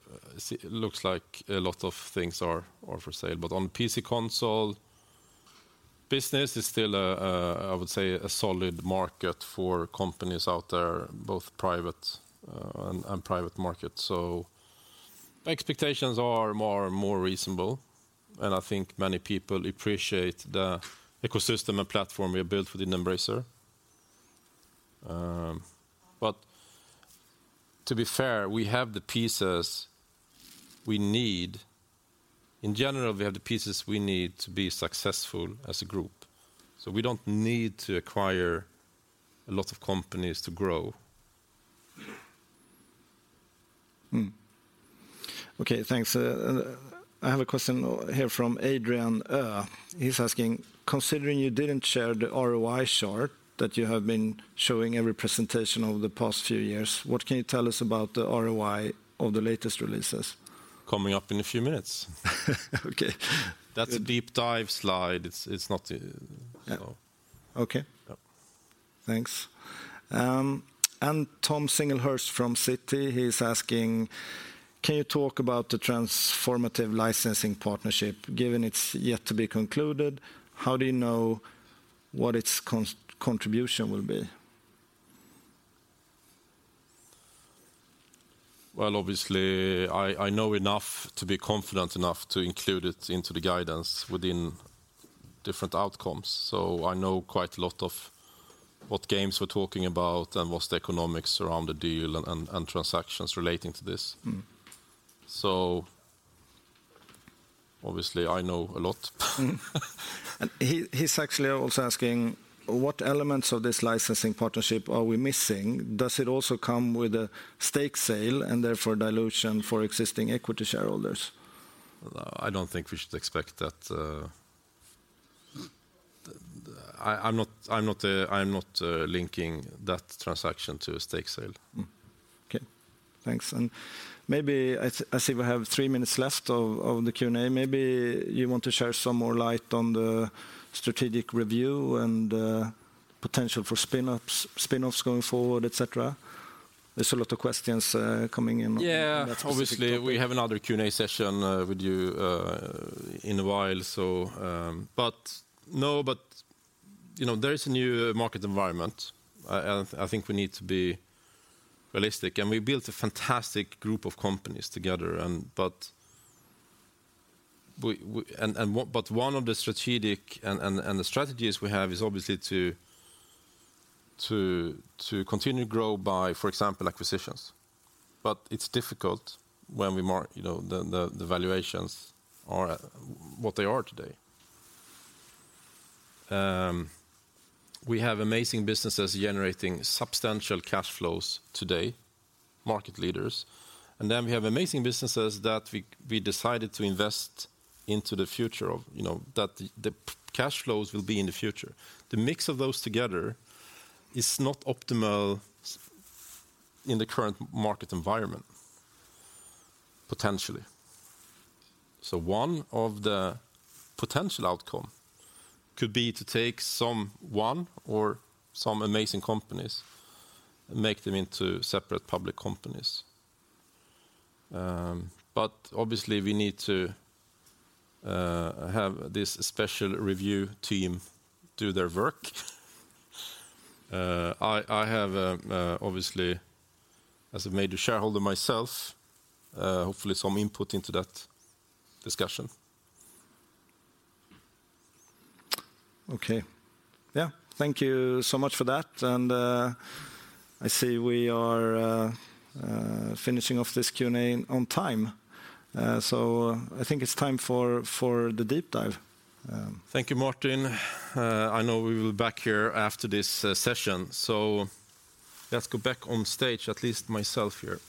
it looks like a lot of things are for sale. On PC & Console, business is still a, I would say, a solid market for companies out there, both private and private market. Expectations are more and more reasonable, and I think many people appreciate the ecosystem and platform we built within Embracer. To be fair, we have the pieces we need. In general, we have the pieces we need to be successful as a group. We don't need to acquire a lot of companies to grow. Okay, thanks. I have a question here from Adrian Uhh. He's asking, considering you didn't share the ROI chart that you have been showing every presentation over the past few years, what can you tell us about the ROI of the latest releases? Coming up in a few minutes. Okay. That's a deep dive slide. It's not, you know. Okay. Yeah. Thanks. Thomas Singlehurst from Citi, he's asking, can you talk about the transformative licensing partnership? Given it's yet to be concluded, how do you know what its contribution will be? Well, obviously I know enough to be confident enough to include it into the guidance within different outcomes. I know quite a lot of what games we're talking about and what's the economics around the deal and transactions relating to this. Mm-hmm. Obviously I know a lot. He's actually also asking what elements of this licensing partnership are we missing? Does it also come with a stake sale and therefore dilution for existing equity shareholders? No, I don't think we should expect that. I'm not linking that transaction to a stake sale. Mm-hmm. Okay. Thanks. Maybe I see we have three minutes left of the Q&A. Maybe you want to share some more light on the strategic review and potential for spin-offs going forward, etc. There's a lot of questions coming in on that specific topic. Yeah, obviously we have another Q&A session with you in a while. No, you know, there is a new market environment. I think we need to be realistic, and we built a fantastic group of companies together. One of the strategies we have is obviously to continue grow by, for example, acquisitions. It's difficult when we mark, you know, the valuations are what they are today. We have amazing businesses generating substantial cash flows today, market leaders, and then we have amazing businesses that we decided to invest into the future of, you know, that the cash flows will be in the future. The mix of those together is not optimal in the current market environment, potentially. One of the potential outcome could be to take some one or some amazing companies and make them into separate public companies. Obviously we need to have this special review team do their work. I have, obviously as a major shareholder myself, hopefully some input into that discussion. Okay. Yeah. Thank you so much for that. I see we are finishing off this Q&A on time. I think it's time for the deep dive. Thank you, Martin. I know we will be back here after this session. Let's go back on stage, at least myself here.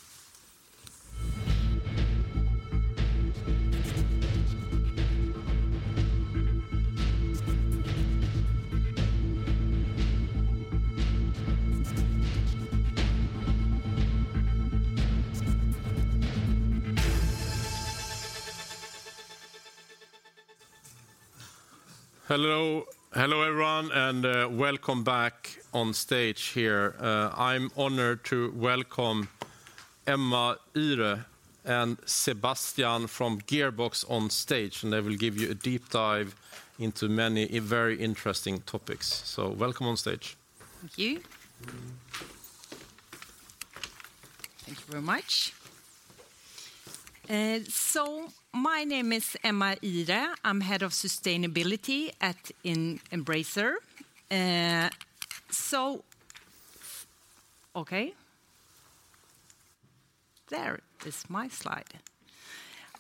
Hello, everyone, and welcome back on stage here. I'm honored to welcome Emma Ihre and Sébastien from Gearbox on stage, and they will give you a deep dive into many and very interesting topics. Welcome on stage. Thank you. Thank you very much. My name is Emma Ihre. I'm Head of Sustainability at Embracer. Okay. There is my slide.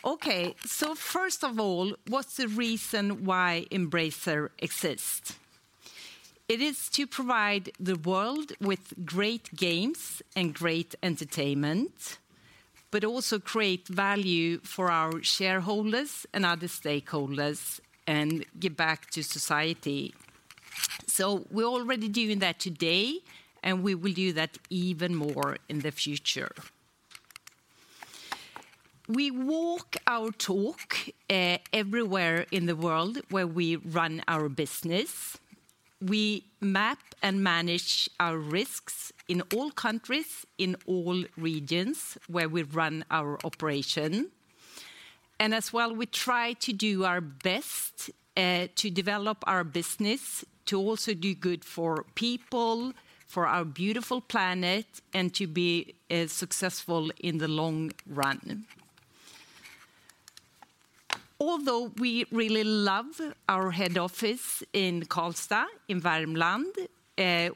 Okay. First of all, what's the reason why Embracer exists? It is to provide the world with great games and great entertainment, but also create value for our shareholders and other stakeholders and give back to society. We're already doing that today, and we will do that even more in the future. We walk our talk everywhere in the world where we run our business. We map and manage our risks in all countries, in all regions where we run our operation. As well, we try to do our best to develop our business, to also do good for people, for our beautiful planet, and to be successful in the long run. Although we really love our head office in Karlstad in Värmland,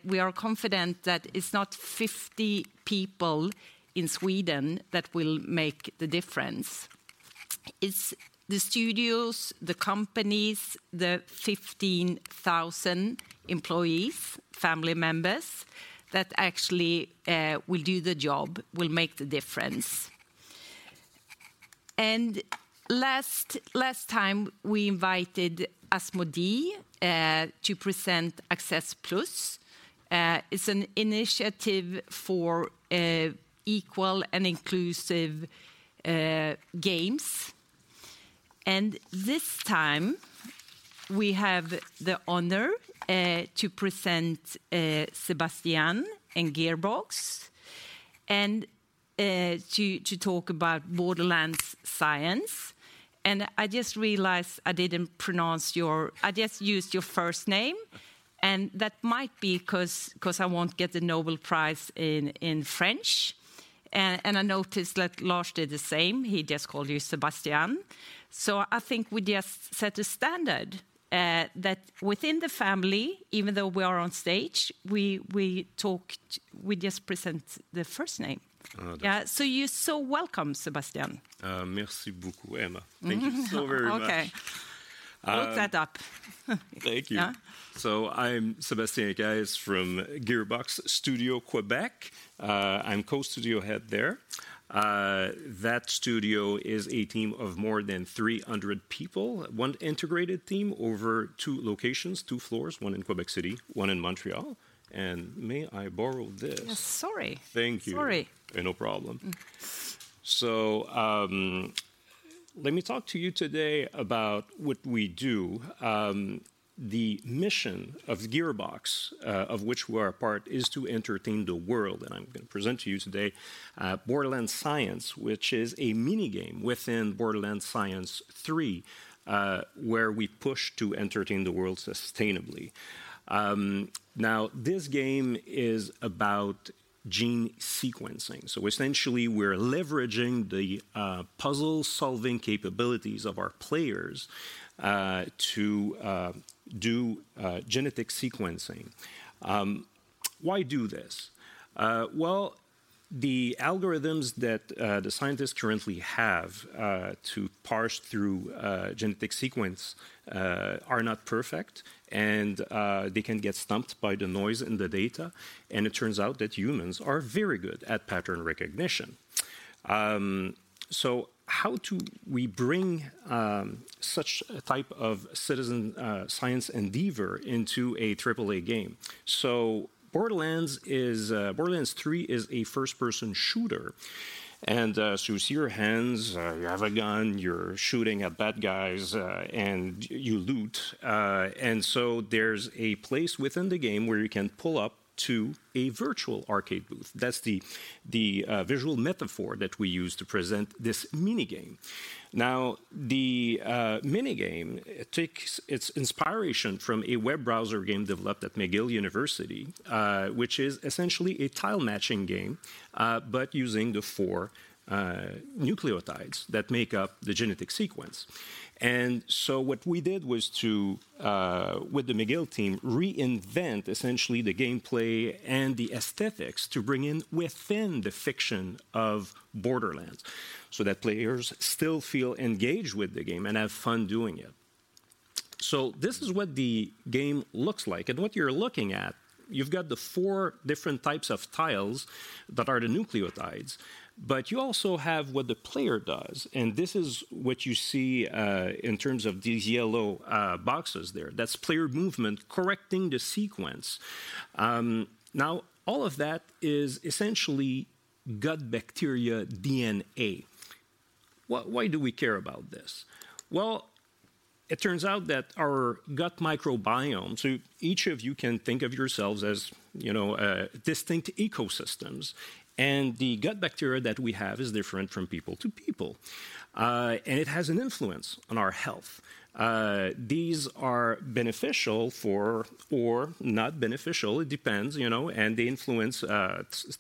we are confident that it's not 50 people in Sweden that will make the difference. It's the studios, the companies, the 15,000 employees, family members that actually will do the job, will make the difference. Last time we invited Asmodee to present Access+. It's an Initiative for equal and inclusive games. This time we have the honor to present Sébastien and Gearbox and to talk about Borderlands Science. I just realized I just used your first name, and that might be 'cause I won't get the Nobel Prize in French. I noticed that Lars did the same. He just called you Sébastien. I think we just set a standard that within the family, even though we are on stage, we just present the first name. Oh, okay. Yeah. You're so welcome, Sébastien. Merci beaucoup, Emma. Thank you so very much. Okay. Uh. Look that up. Thank you. Yeah. I'm Sébastien Caisse from Gearbox Studio Quebec. I'm Co-Studio Head there. That studio is a team of more than 300 people, one integrated team over two locations, two floors, one in Quebec City, one in Montreal. May I borrow this? Yes. Sorry. Thank you. Sorry. No problem. Mm. Let me talk to you today about what we do. The mission of Gearbox, of which we're a part, is to entertain the world, and I'm gonna present to you today Borderlands Science, which is a mini-game within Borderlands 3, where we push to entertain the world sustainably. Now this game is about gene sequencing, so essentially we're leveraging the puzzle-solving capabilities of our players to do genetic sequencing. Why do this? Well, the algorithms that the scientists currently have to parse through genetic sequence are not perfect, and they can get stumped by the noise in the data, and it turns out that humans are very good at pattern recognition. How do we bring such a type of citizen science endeavor into a AAA game? Borderlands 3 is a first-person shooter. You see your hands, you have a gun, you're shooting at bad guys, and you loot. There's a place within the game where you can pull up to a virtual arcade booth. That's the visual metaphor that we use to present this mini-game. Now the mini-game takes its inspiration from a web browser game developed at McGill University, which is essentially a tile matching game, but using the four nucleotides that make up the genetic sequence. What we did was to, with the McGill team, reinvent essentially the gameplay and the aesthetics to bring in within the fiction of Borderlands so that players still feel engaged with the game and have fun doing it. This is what the game looks like, and what you're looking at, you've got the four different types of tiles that are the nucleotides, but you also have what the player does, and this is what you see in terms of these yellow boxes there. That's player movement correcting the sequence. Now all of that is essentially gut bacteria DNA. Why do we care about this? Well, it turns out that our gut microbiome, so each of you can think of yourselves as, you know, distinct ecosystems, and the gut bacteria that we have is different from people to people, and it has an influence on our health. These are beneficial for, or not beneficial, it depends, you know, and they influence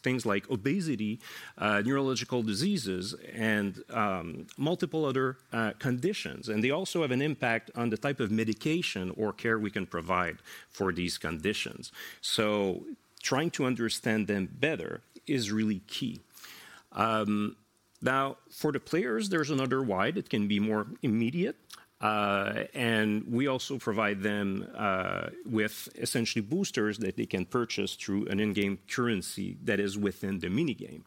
things like obesity, neurological diseases, and multiple other conditions. They also have an impact on the type of medication or care we can provide for these conditions, so trying to understand them better is really key. Now for the players, there's another why that can be more immediate, and we also provide them with essentially boosters that they can purchase through an in-game currency that is within the mini-game.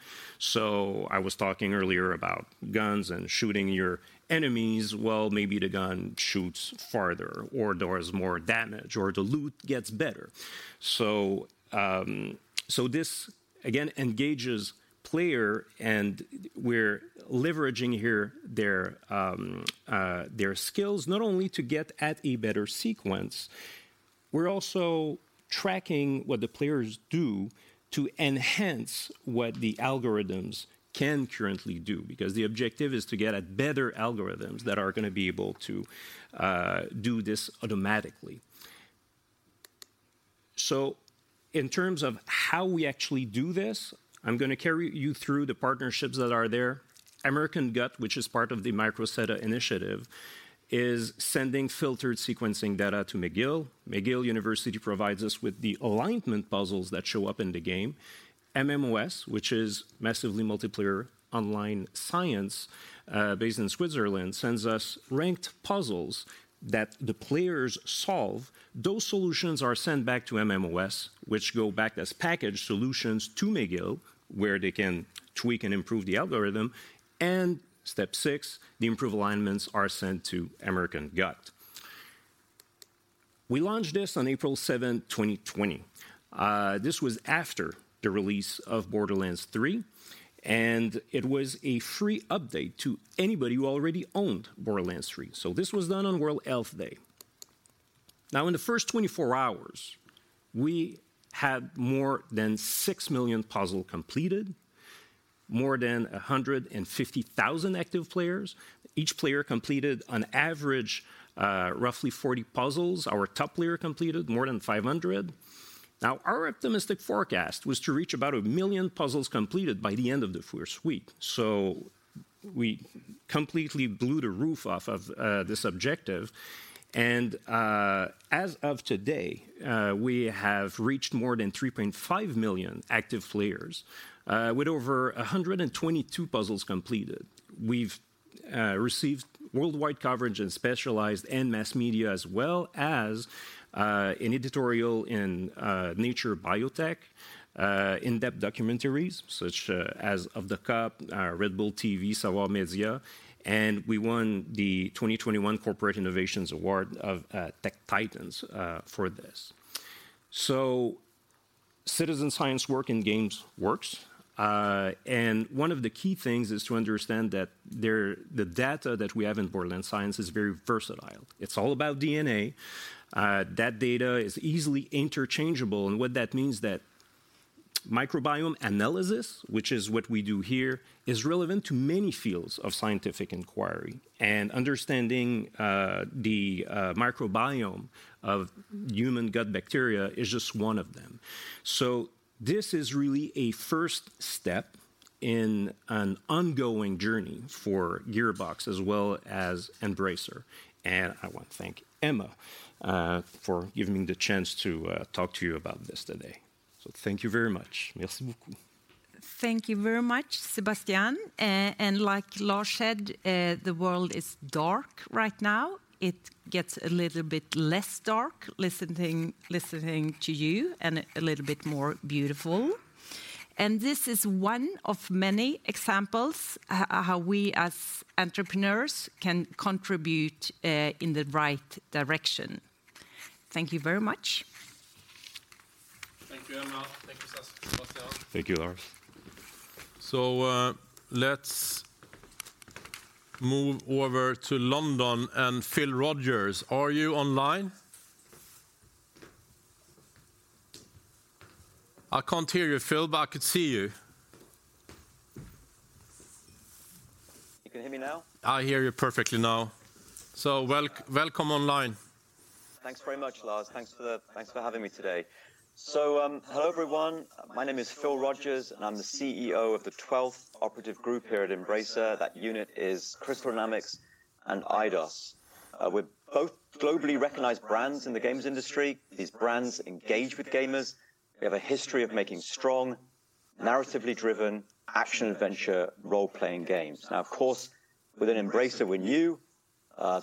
I was talking earlier about guns and shooting your enemies. Well, maybe the gun shoots farther or does more damage, or the loot gets better. This again engages player and we're leveraging here their skills not only to get at a better sequence, we're also tracking what the players do to enhance what the algorithms can currently do, because the objective is to get at better algorithms that are gonna be able to do this automatically. In terms of how we actually do this, I'm gonna carry you through the partnerships that are there. American Gut, which is part of the Microsetta Initiative, is sending filtered sequencing data to McGill. McGill University provides us with the alignment puzzles that show up in the game. MMOS, which is Massively Multiplayer Online Science, based in Switzerland, sends us ranked puzzles that the players solve. Those solutions are sent back to MMOS, which go back as packaged solutions to McGill, where they can tweak and improve the algorithm. Step six, the improved alignments are sent to American Gut. We launched this on April 7th, 2020. This was after the release of Borderlands 3, and it was a free update to anybody who already owned Borderlands 3. This was done on World Health Day. Now, in the first 24 hours, we had more than 6 million puzzle completed, more than 150,000 active players. Each player completed on average roughly 40 puzzles. Our top player completed more than 500. Now, our optimistic forecast was to reach about 1 million puzzles completed by the end of the first week. We completely blew the roof off of this objective. As of today, we have reached more than 3.5 million active players with over 122 puzzles completed. We've received worldwide coverage in specialized and mass media, as well as an editorial in Nature Biotech, in-depth documentaries such as uncertain, Red Bull TV, ServusTV, and we won the 2021 Corporate Innovations Award of Tech Titans for this. Citizen science work in games works. One of the key things is to understand that the data that we have in Borderlands Science is very versatile. It's all about DNA. That data is easily interchangeable, and what that means is that microbiome analysis, which is what we do here, is relevant to many fields of scientific inquiry. Understanding the microbiome of human gut bacteria is just one of them. This is really a first step in an ongoing journey for Gearbox as well as Embracer. I want to thank Emma for giving me the chance to talk to you about this today. Thank you very much. Merci beaucoup. Thank you very much, Sébastien. Like Lars said, the world is dark right now. It gets a little bit less dark listening to you and a little bit more beautiful. This is one of many examples how we as entrepreneurs can contribute in the right direction. Thank you very much. Thank you, Emma. Thank you, Sébastien. Thank you, Lars. Let's move over to London and Phil Rogers. Are you online? I can't hear you, Phil, but I can see you. You can hear me now? I hear you perfectly now. Welcome online. Thanks very much, Lars. Thanks for having me today. Hello, everyone. My name is Phil Rogers, and I'm the CEO of the 12th operative group here at Embracer. That unit is Crystal Dynamics and Eidos. We're both globally recognized brands in the games industry. These brands engage with gamers. We have a history of making strong, narratively driven, action-adventure, role-playing games. Now, of course, within Embracer, we're new.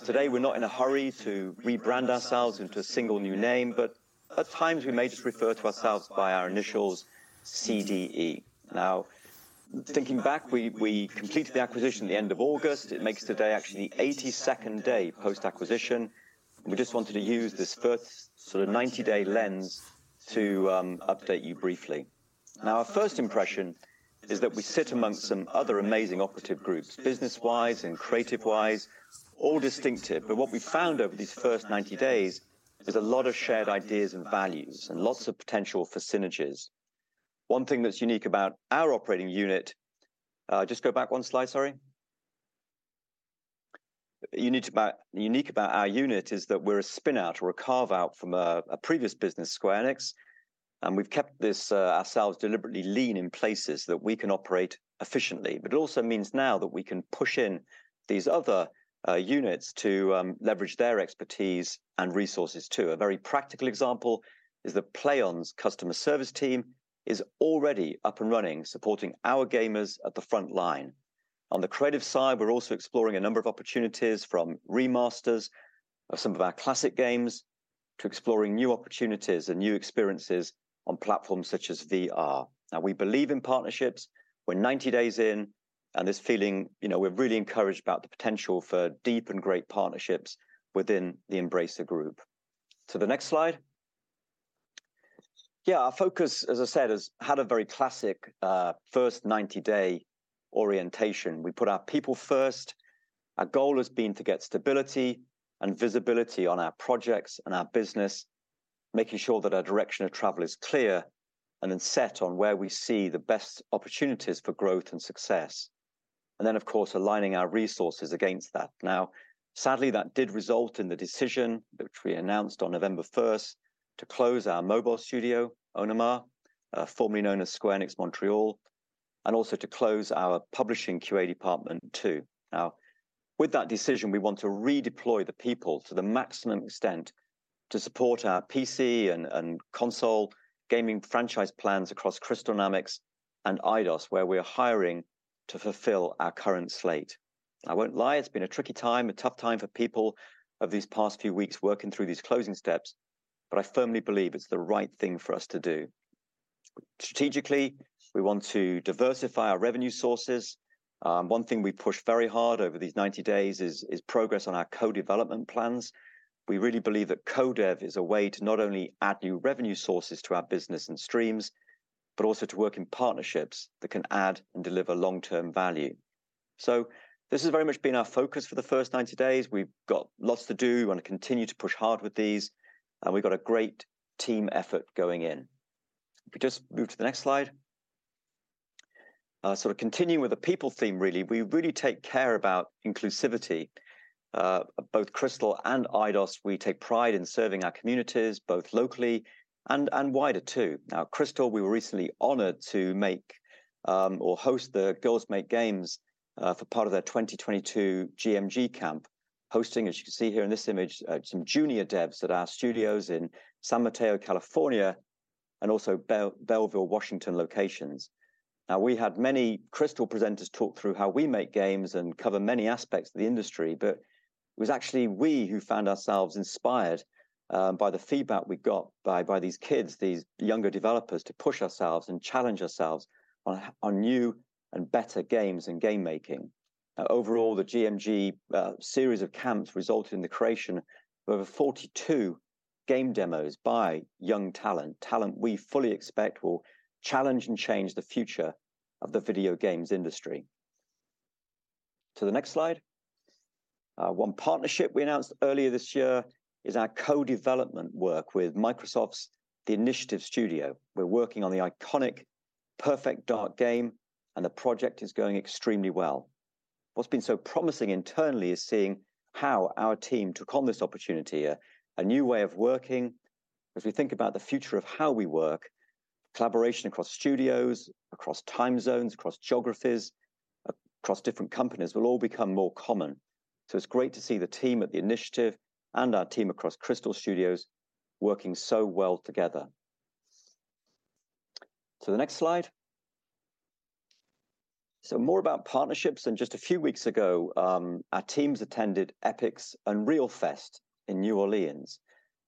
Today, we're not in a hurry to rebrand ourselves into a single new name, but at times, we may just refer to ourselves by our initials, CDE. Now, thinking back, we completed the acquisition at the end of August. It makes today actually the 82nd day post-acquisition. We just wanted to use this first sort of 90-day lens to update you briefly. Now, our first impression is that we sit amongst some other amazing operative groups, business-wise and creative-wise, all distinctive. What we found over these first 90 days is a lot of shared ideas and values and lots of potential for synergies. Just go back one slide, sorry. Unique about our unit is that we're a spin-out or a carve-out from a previous business, Square Enix. We've kept ourselves deliberately lean in places that we can operate efficiently. It also means now that we can push in these other units to leverage their expertise and resources too. A very practical example is that PLAION's customer service team is already up and running, supporting our gamers at the front line. On the creative side, we're also exploring a number of opportunities from remasters of some of our classic games to exploring new opportunities and new experiences on platforms such as VR. Now, we believe in partnerships. We're 90 days in, and this feeling, you know, we're really encouraged about the potential for deep and great partnerships within the Embracer Group. To the next slide. Yeah, our focus, as I said, has had a very classic first 90-day orientation. We put our people first. Our goal has been to get stability and visibility on our projects and our business, making sure that our direction of travel is clear and then set on where we see the best opportunities for growth and success. Of course, aligning our resources against that. Now, sadly, that did result in the decision, which we announced on November 1st, to close our mobile studio, Onoma, formerly known as Square Enix Montréal, and also to close our publishing QA department too. Now, with that decision, we want to redeploy the people to the maximum extent to support our PC & Console gaming franchise plans across Crystal Dynamics and Eidos, where we're hiring to fulfill our current slate. I won't lie, it's been a tricky time, a tough time for people of these past few weeks working through these closing steps, but I firmly believe it's the right thing for us to do. Strategically, we want to diversify our revenue sources. One thing we pushed very hard over these 90 days is progress on our co-development plans. We really believe that co-dev is a way to not only add new revenue sources to our business and streams, but also to work in partnerships that can add and deliver long-term value. This has very much been our focus for the first 90 days. We've got lots to do. We want to continue to push hard with these, and we've got a great team effort going in. If we just move to the next slide. Sort of continuing with the people theme really, we really take care about inclusivity. Both Crystal and Eidos, we take pride in serving our communities, both locally and wider too. Now, Crystal, we were recently honored to host the Girls Make Games for part of their 2022 GMG camp, hosting, as you can see here in this image, some junior devs at our studios in San Mateo, California, and also Bellevue, Washington, locations. Now, we had many Crystal presenters talk through how we make games and cover many aspects of the industry, but it was actually we who found ourselves inspired by the feedback we got by these kids, these younger developers, to push ourselves and challenge ourselves on new and better games and game making. Overall, the GMG series of camps resulted in the creation of over 42 game demos by young talent. Talent we fully expect will challenge and change the future of the video games industry. To the next slide. One partnership we announced earlier this year is our co-development work with Microsoft's The Initiative studio. We're working on the iconic Perfect Dark game, and the project is going extremely well. What's been so promising internally is seeing how our team took on this opportunity, a new way of working. As we think about the future of how we work, collaboration across studios, across time zones, across geographies, across different companies, will all become more common. It's great to see the team at The Initiative and our team across Crystal Dynamics working so well together. To the next slide. More about partnerships, and just a few weeks ago, our teams attended Epic's Unreal Fest in New Orleans.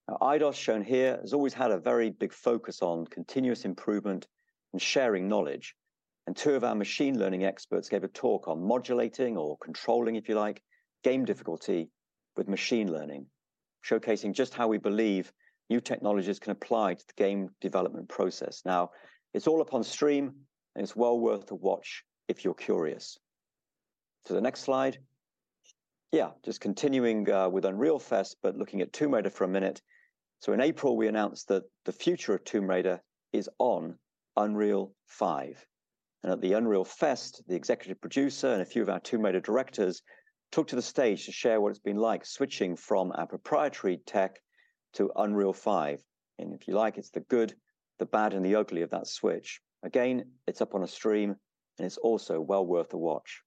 Now, Eidos, shown here, has always had a very big focus on continuous improvement and sharing knowledge, and two of our machine learning experts gave a talk on modulating or controlling, if you like, game difficulty with machine learning, showcasing just how we believe new technologies can apply to the game development process. Now, it's all up on stream, and it's well worth a watch if you're curious. To the next slide. Yeah, just continuing with Unreal Fest, but looking at Tomb Raider for a minute. In April, we announced that the future of Tomb Raider is on Unreal Engine 5. At the Unreal Fest, the Executive Producer and a few of our Tomb Raider directors took to the stage to share what it's been like switching from our proprietary tech to Unreal Engine 5. If you like, it's the good, the bad, and the ugly of that switch. Again, it's up on a stream, and it's also well worth a watch.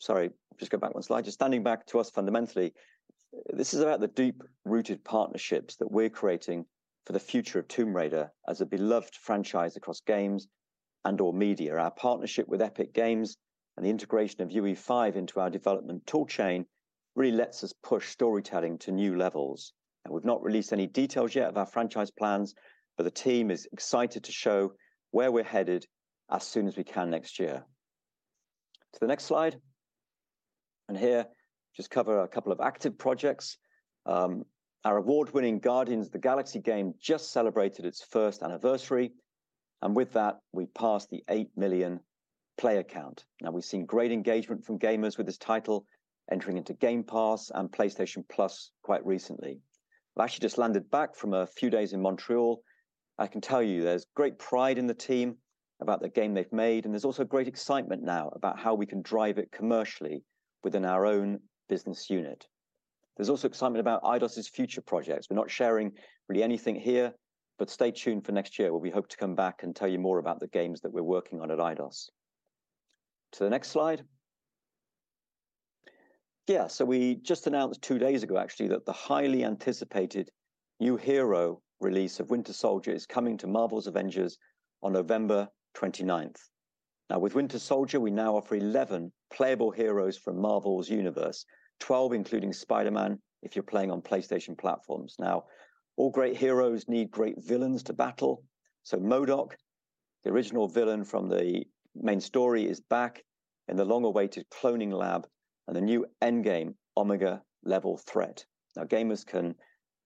Sorry, just go back one slide. Just standing back to us fundamentally, this is about the deep-rooted partnerships that we're creating for the future of Tomb Raider as a beloved franchise across games and/or media. Our partnership with Epic Games and the integration of UE5 into our development tool chain really lets us push storytelling to new levels. Now, we've not released any details yet of our franchise plans, but the team is excited to show where we're headed as soon as we can next year. To the next slide. Here, just cover a couple of active projects. Our award-winning Guardians of the Galaxy game just celebrated its first anniversary. With that, we passed the 8 million player count. Now, we've seen great engagement from gamers with this title entering into Game Pass and PlayStation Plus quite recently. I've actually just landed back from a few days in Montréal. I can tell you there's great pride in the team about the game they've made. There's also great excitement now about how we can drive it commercially within our own business unit. There's also excitement about Eidos' future projects. We're not sharing really anything here. Stay tuned for next year, where we hope to come back and tell you more about the games that we're working on at Eidos. To the next slide. Yeah, we just announced two days ago actually that the highly anticipated new hero release of Winter Soldier is coming to Marvel's Avengers on November 29th. Now, with Winter Soldier, we now offer 11 playable heroes from Marvel's universe, 12 including Spider-Man, if you're playing on PlayStation platforms. Now, all great heroes need great villains to battle, so MODOK, the original villain from the main story, is back in the long-awaited cloning lab and the new endgame Omega-level threat. Now, gamers can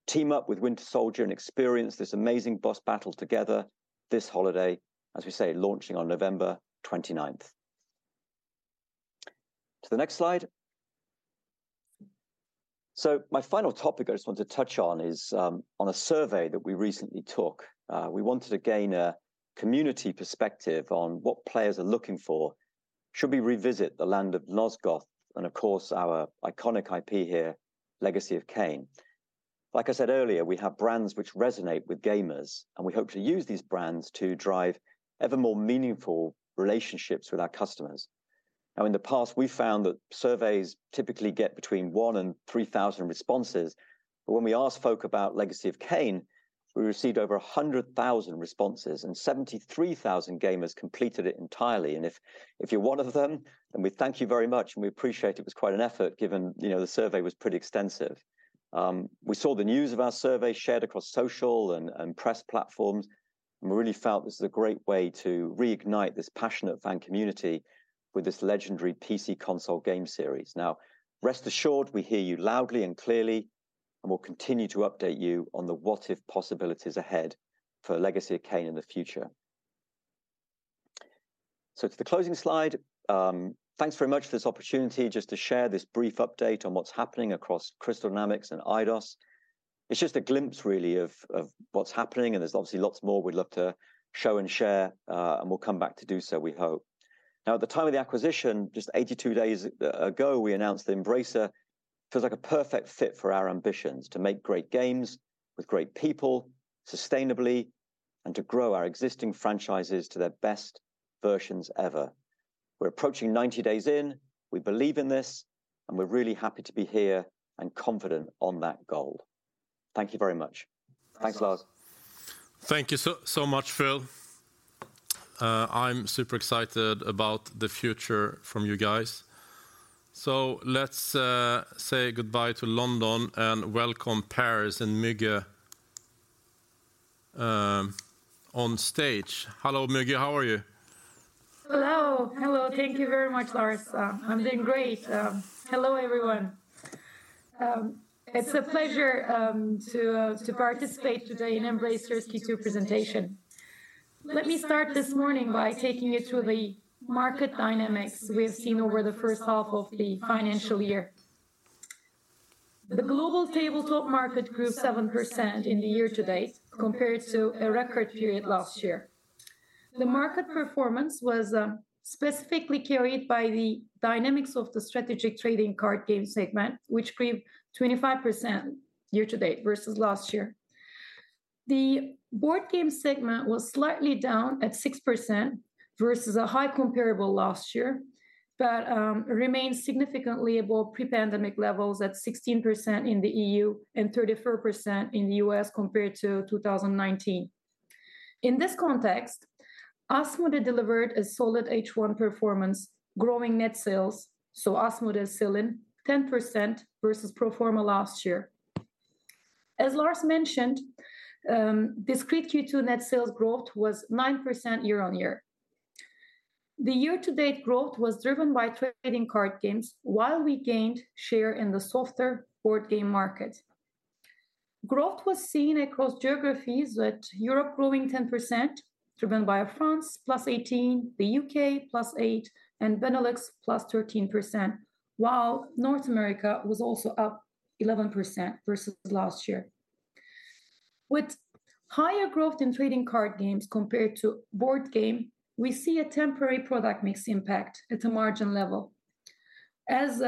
team up with Winter Soldier and experience this amazing boss battle together this holiday, as we say, launching on November 29th. To the next slide. My final topic I just want to touch on is on a survey that we recently took. We wanted to gain a community perspective on what players are looking for should we revisit the land of Nosgoth and, of course, our iconic IP here, Legacy of Kain. Like I said earlier, we have brands which resonate with gamers, and we hope to use these brands to drive ever more meaningful relationships with our customers. Now, in the past, we found that surveys typically get between one and 3,000 responses. When we asked folk about Legacy of Kain, we received over 100,000 responses, and 73,000 gamers completed it entirely. If you're one of them, then we thank you very much and we appreciate it was quite an effort given, you know, the survey was pretty extensive. We saw the news of our survey shared across social and press platforms, and we really felt this is a great way to reignite this passionate fan community with this legendary PC & Console game series. Now, rest assured, we hear you loudly and clearly, and we'll continue to update you on the what-if possibilities ahead for Legacy of Kain in the future. To the closing slide, thanks very much for this opportunity just to share this brief update on what's happening across Crystal Dynamics and Eidos. It's just a glimpse, really, of what's happening, and there's obviously lots more we'd love to show and share, and we'll come back to do so, we hope. Now, at the time of the acquisition, just 82 days ago, we announced that Embracer feels like a perfect fit for our ambitions to make great games with great people sustainably and to grow our existing franchises to their best versions ever. We're approaching 90 days in, we believe in this, and we're really happy to be here and confident on that goal. Thank you very much. Thanks, Lars. Thank you so much, Phil. I'm super excited about the future from you guys. Let's say goodbye to London and welcome Paris and Müge on stage. Hello, Müge. How are you? Hello. Hello. Thank you very much, Lars. I'm doing great. Hello, everyone. It's a pleasure to participate today in Embracer's Q2 presentation. Let me start this morning by taking you through the market dynamics we have seen over the first half of the financial year. The global tabletop market grew 7% in the year-to-date, compared to a record period last year. The market performance was specifically carried by the dynamics of the strategic trading card game segment, which grew 25% year-to-date versus last year. The board game segment was slightly down at 6% versus a high comparable last year, but remains significantly above pre-pandemic levels at 16% in the E.U. and 34% in the U.S. compared to 2019. In this context, Asmodee delivered a solid H1 performance, growing net sales. Asmodee is selling 10% versus pro forma last year. As Lars mentioned, discrete Q2 net sales growth was 9% year-on-year. The year-to-date growth was driven by trading card games while we gained share in the softer board game market. Growth was seen across geographies with Europe growing 10%, driven by France +18%, the U.K. +8%, and Benelux +13%, while North America was also up 11% versus last year. With higher growth in trading card games compared to board game, we see a temporary product mix impact at the margin level. As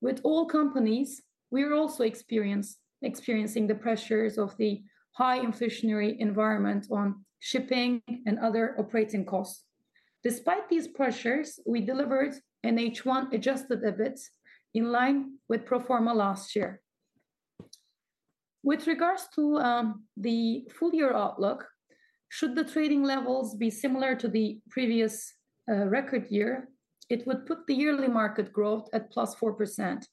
with all companies, we are also experiencing the pressures of the high inflationary environment on shipping and other operating costs. Despite these pressures, we delivered an H1 Adjusted EBIT in line with pro forma last year. With regards to the full-year outlook, should the trading levels be similar to the previous record year, it would put the yearly market growth at +4%.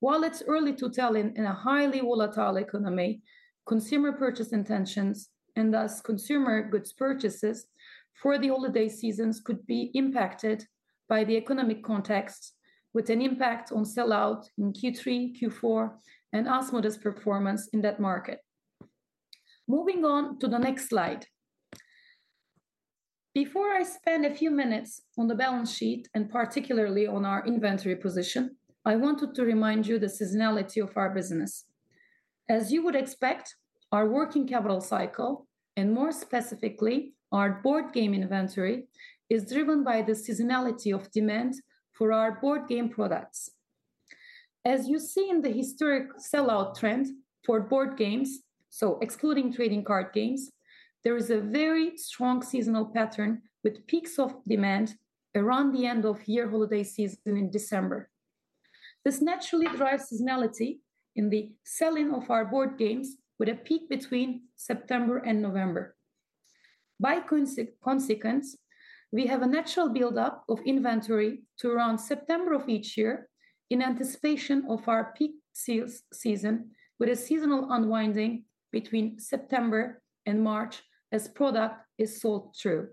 While it's early to tell in a highly volatile economy, consumer purchase intentions, and thus consumer goods purchases for the holiday seasons could be impacted by the economic context with an impact on sell-out in Q3, Q4, and Asmodee's performance in that market. Moving on to the next slide. Before I spend a few minutes on the balance sheet, and particularly on our inventory position, I wanted to remind you the seasonality of our business. As you would expect, our working capital cycle, and more specifically, our board game inventory, is driven by the seasonality of demand for our board game products. As you see in the historic sell-out trend for board games, so excluding trading card games, there is a very strong seasonal pattern with peaks of demand around the end of year holiday season in December. This naturally drives seasonality in the selling of our board games with a peak between September and November. By consequence, we have a natural build-up of inventory to around September of each year in anticipation of our peak sales season with a seasonal unwinding between September and March as product is sold through.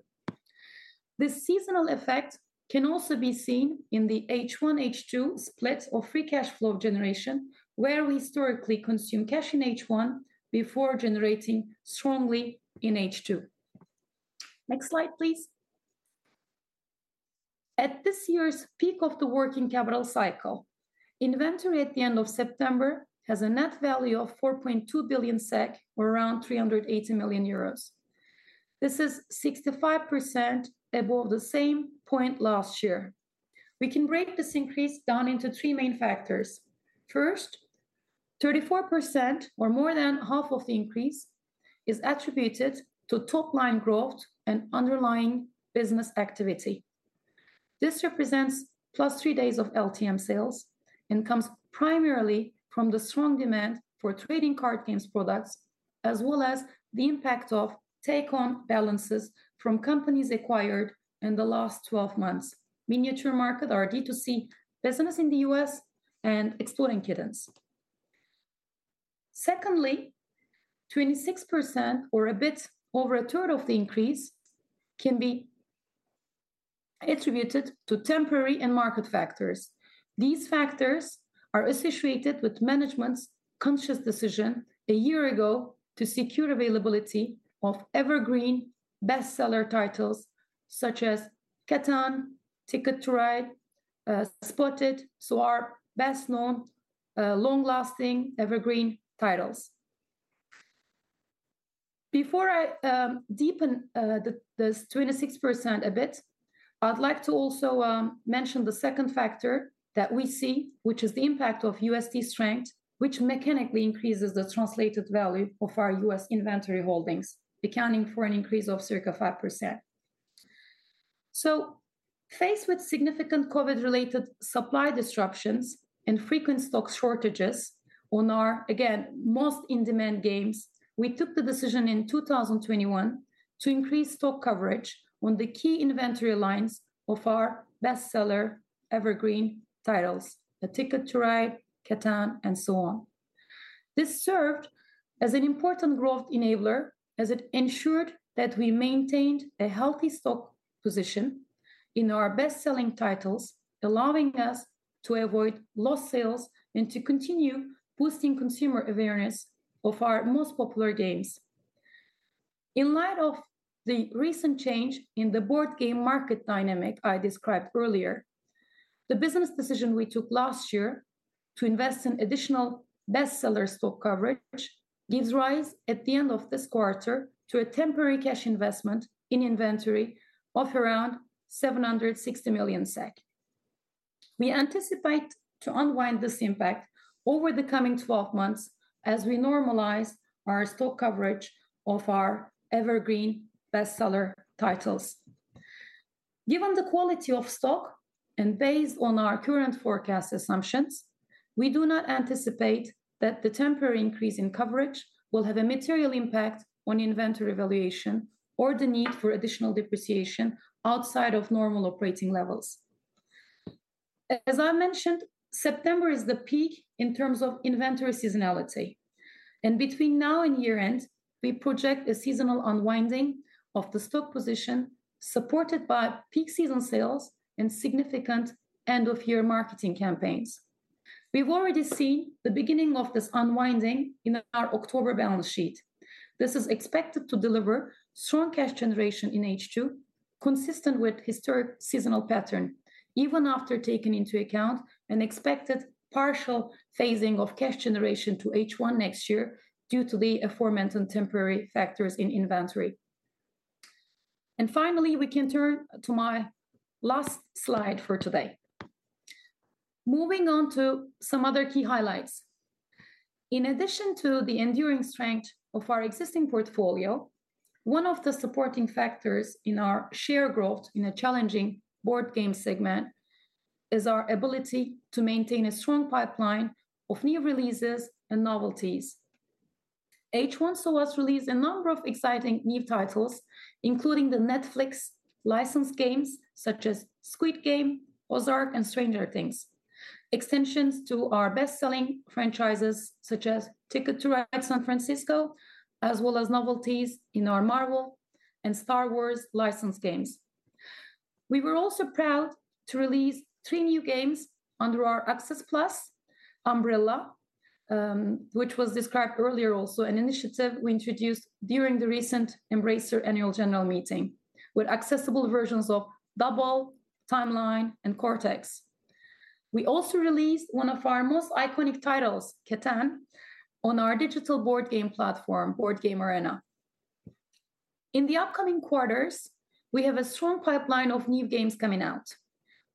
This seasonal effect can also be seen in the H1, H2 split of free cash flow generation, where we historically consume cash in H1 before generating strongly in H2. Next slide, please. At this year's peak of the working capital cycle, inventory at the end of September has a net value of 4.2 billion SEK or around 380 million euros. This is 65% above the same point last year. We can break this increase down into three main factors. First, 34% or more than half of the increase is attributed to top-line growth and underlying business activity. This represents +3 days of LTM sales and comes primarily from the strong demand for trading card games products, as well as the impact of take-on balances from companies acquired in the last 12 months, Miniature Market, our D2C business in the U.S., and Exploding Kittens. Secondly, 26% or a bit over a third of the increase can be attributed to temporary and market factors. These factors are associated with management's conscious decision a year ago to secure availability of evergreen bestseller titles such as Catan, Ticket to Ride, Spot It!, so our best-known long-lasting evergreen titles. Before I deepen this 26% a bit, I'd like to also mention the second factor that we see, which is the impact of USD strength, which mechanically increases the translated value of our U.S. inventory holdings, accounting for an increase of circa 5%. Faced with significant COVID-related supply disruptions and frequent stock shortages on our, again, most in-demand games, we took the decision in 2021 to increase stock coverage on the key inventory lines of our best-seller evergreen titles, the Ticket to Ride, Catan, and so on. This served as an important growth enabler as it ensured that we maintained a healthy stock position in our best-selling titles, allowing us to avoid lost sales and to continue boosting consumer awareness of our most popular games. In light of the recent change in the board game market dynamic I described earlier, the business decision we took last year to invest in additional best-seller stock coverage gives rise at the end of this quarter to a temporary cash investment in inventory of around 760 million SEK. We anticipate to unwind this impact over the coming 12 months as we normalize our stock coverage of our evergreen best-seller titles. Given the quality of stock and based on our current forecast assumptions, we do not anticipate that the temporary increase in coverage will have a material impact on inventory valuation or the need for additional depreciation outside of normal operating levels. As I mentioned, September is the peak in terms of inventory seasonality, and between now and year-end, we project a seasonal unwinding of the stock position supported by peak season sales and significant end-of-year marketing campaigns. We've already seen the beginning of this unwinding in our October balance sheet. This is expected to deliver strong cash generation in H2, consistent with historic seasonal pattern, even after taking into account an expected partial phasing of cash generation to H1 next year due to the aforementioned temporary factors in inventory. Finally, we can turn to my last slide for today. Moving on to some other key highlights. In addition to the enduring strength of our existing portfolio, one of the supporting factors in our share growth in a challenging board game segment is our ability to maintain a strong pipeline of new releases and novelties. H1 saw us release a number of exciting new titles, including the Netflix licensed games such as Squid Game, Ozark, and Stranger Things, extensions to our best-selling franchises such as Ticket to Ride: San Francisco, as well as novelties in our Marvel and Star Wars licensed games. We were also proud to release three new games under our Access+ umbrella, which was described earlier also, an Initiative we introduced during the recent Embracer Annual General Meeting, with accessible versions of Dobble, Timeline, and Cortex. We also released one of our most iconic titles, Catan, on our digital board game platform, Board Game Arena. In the upcoming quarters, we have a strong pipeline of new games coming out.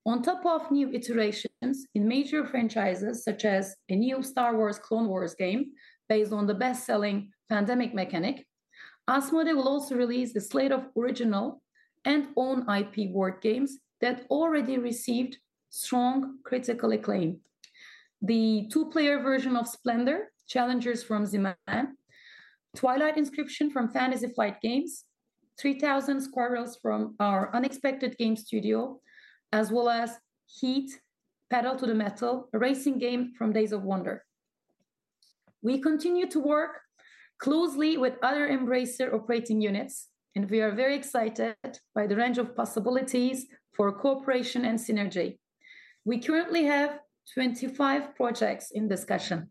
On top of new iterations in major franchises, such as a new Star Wars: Clone Wars game based on the best-selling Pandemic mechanic, Asmodee will also release a slate of original and own IP board games that already received strong critical acclaim. The two-player version of Splendor, Challengers! from Z-Man, Twilight Inscription from Fantasy Flight Games, 3,000 Scoundrels from our Unexpected Games studio, as well as Heat: Pedal to the Metal, a racing game from Days of Wonder. We continue to work closely with other Embracer operating units, and we are very excited by the range of possibilities for cooperation and synergy. We currently have 25 projects in discussion.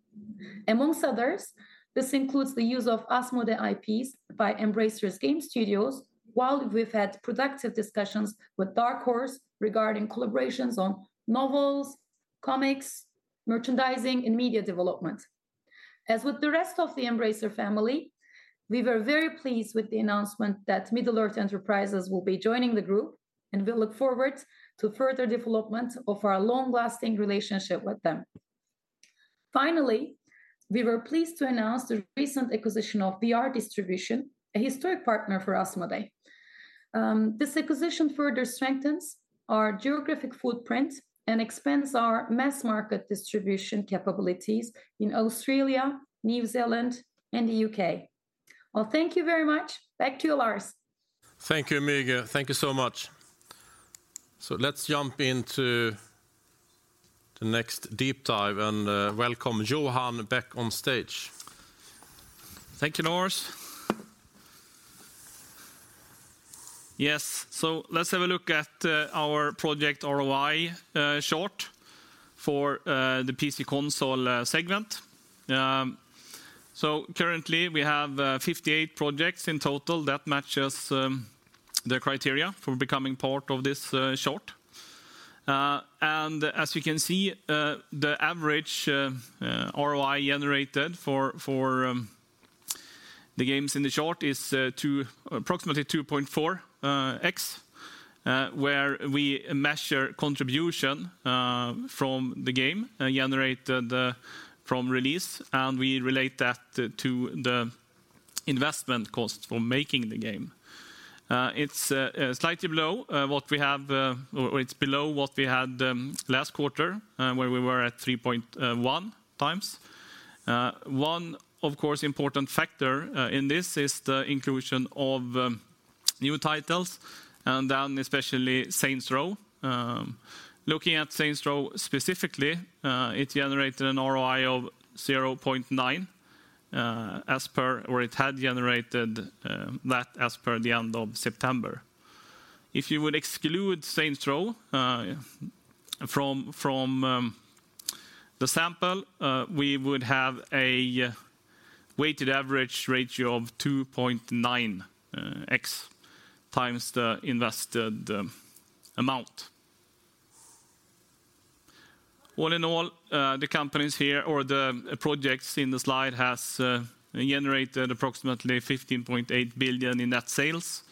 Amongst others, this includes the use of Asmodee IPs by Embracer's game studios, while we've had productive discussions with Dark Horse regarding collaborations on novels, comics, merchandising, and media development. As with the rest of the Embracer family, we were very pleased with the announcement that Middle-earth Enterprises will be joining the group, and we look forward to further development of our long-lasting relationship with them. Finally, we were pleased to announce the recent acquisition of VR Distribution, a historic partner for Asmodee. This acquisition further strengthens our geographic footprint and expands our mass market distribution capabilities in Australia, New Zealand, and the U.K. Well, thank you very much. Back to you, Lars. Thank you, Müge. Thank you so much. Let's jump into the next deep dive and welcome Johan back on stage. Thank you, Lars. Yes, let's have a look at our project ROI chart for the PC & Console segment. Currently we have 58 projects in total that matches the criteria for becoming part of this chart. As you can see, the average ROI generated for the games in the chart is approximately 2.4x, where we measure contribution from the game generated from release, and we relate that to the investment cost for making the game. It's below what we had last quarter, where we were at 3.1x. One, of course, important factor in this is the inclusion of new titles and then especially Saints Row. Looking at Saints Row specifically, it generated an ROI of 0.9 as per the end of September. If you would exclude Saints Row from the sample, we would have a weighted average ratio of 2.9x times the invested amount. All in all, the companies here or the projects in the slide has generated approximately 15.8 billion in net sales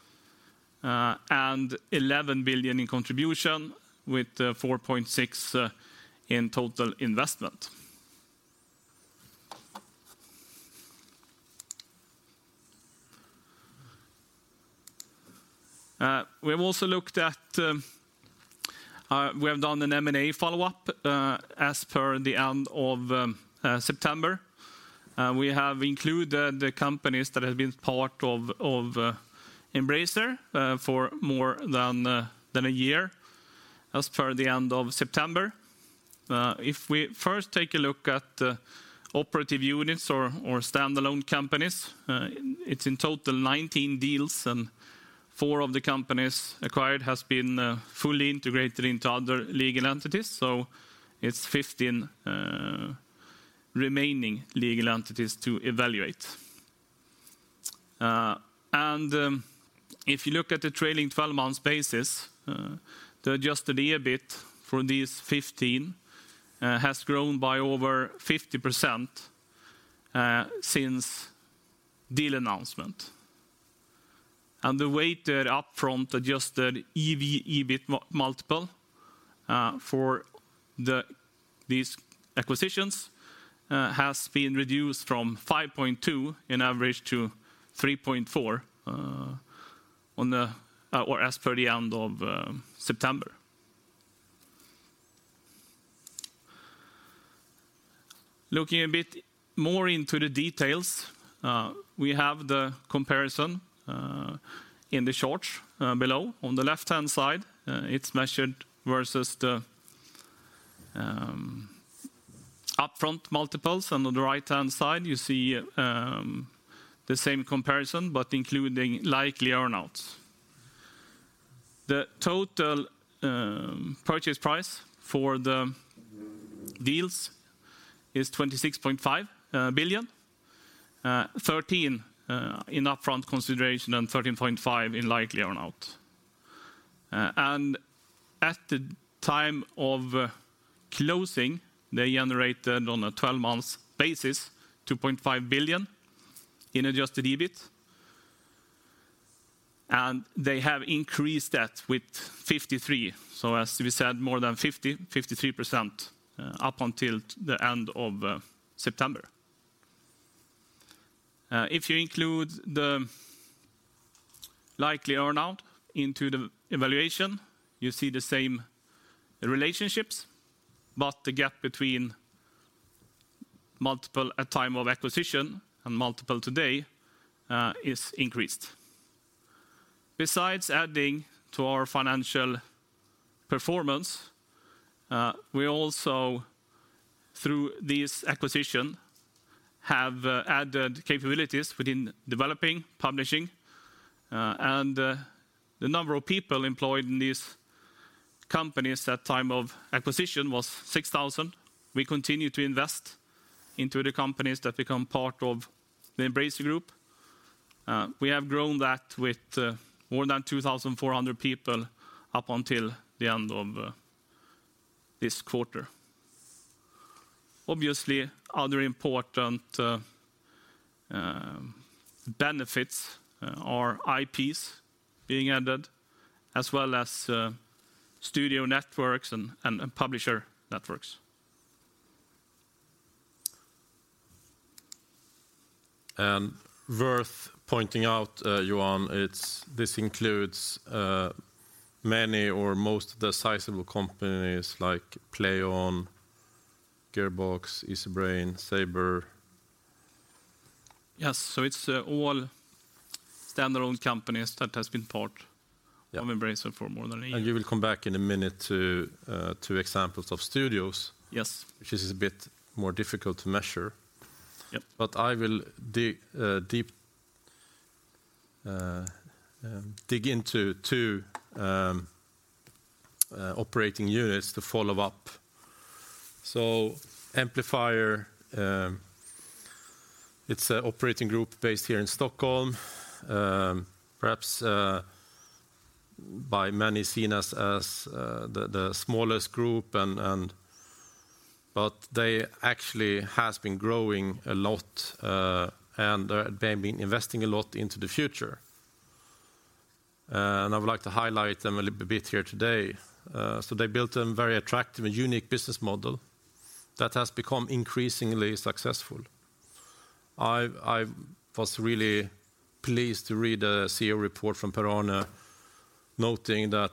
and 11 billion in contribution with 4.6 in total investment. We have done an M&A follow-up as per the end of September. We have included the companies that have been part of Embracer for more than a year as per the end of September. If we first take a look at operative units or standalone companies, it's in total 19 deals, and four of the companies acquired has been fully integrated into other legal entities. It's 15 remaining legal entities to evaluate. If you look at the trailing 12 months basis, the Adjusted EBIT for these 15 has grown by over 50% since deal announcement. The weighted upfront Adjusted EV/EBIT multiple for these acquisitions has been reduced from 5.2x in average to 3.4x as per the end of September. Looking a bit more into the details, we have the comparison in the charts below. On the left-hand side, it's measured versus the upfront multiples, and on the right-hand side, you see the same comparison but including likely earn-outs. The total purchase price for the deals is 26.5 billion, 13 in upfront consideration and 13.5 in likely earn-out. At the time of closing, they generated on a 12 months basis 2.5 billion in Adjusted EBIT, and they have increased that with 53%. As we said, more than 50%, 53% up until the end of September. If you include the likely earn-out into the evaluation, you see the same relationships, but the gap between multiple at time of acquisition and multiple today is increased. Besides adding to our financial performance, we also through this acquisition have added capabilities within developing, publishing, and the number of people employed in these companies at time of acquisition was 6,000. We continue to invest into the companies that become part of the Embracer Group. We have grown that with more than 2,400 people up until the end of this quarter. Obviously, other important benefits are IPs being added, as well as studio networks and publisher networks. Worth pointing out, Johan, this includes many or most of the sizable companies like PLAION, Gearbox, Easybrain, Saber. Yes. It's all standalone companies that has been part. Yeah Of Embracer for more than a year. You will come back in a minute to two examples of studios. Yes. Which is a bit more difficult to measure. Yep. I will dig deep into two operating units to follow up. Amplifier, it's a operating group based here in Stockholm. Perhaps by many seen as the smallest group, but they actually has been growing a lot, and they've been investing a lot into the future. I would like to highlight them a little bit here today. They built a very attractive and unique business model that has become increasingly successful. I was really pleased to read a CEO report from Piranha noting that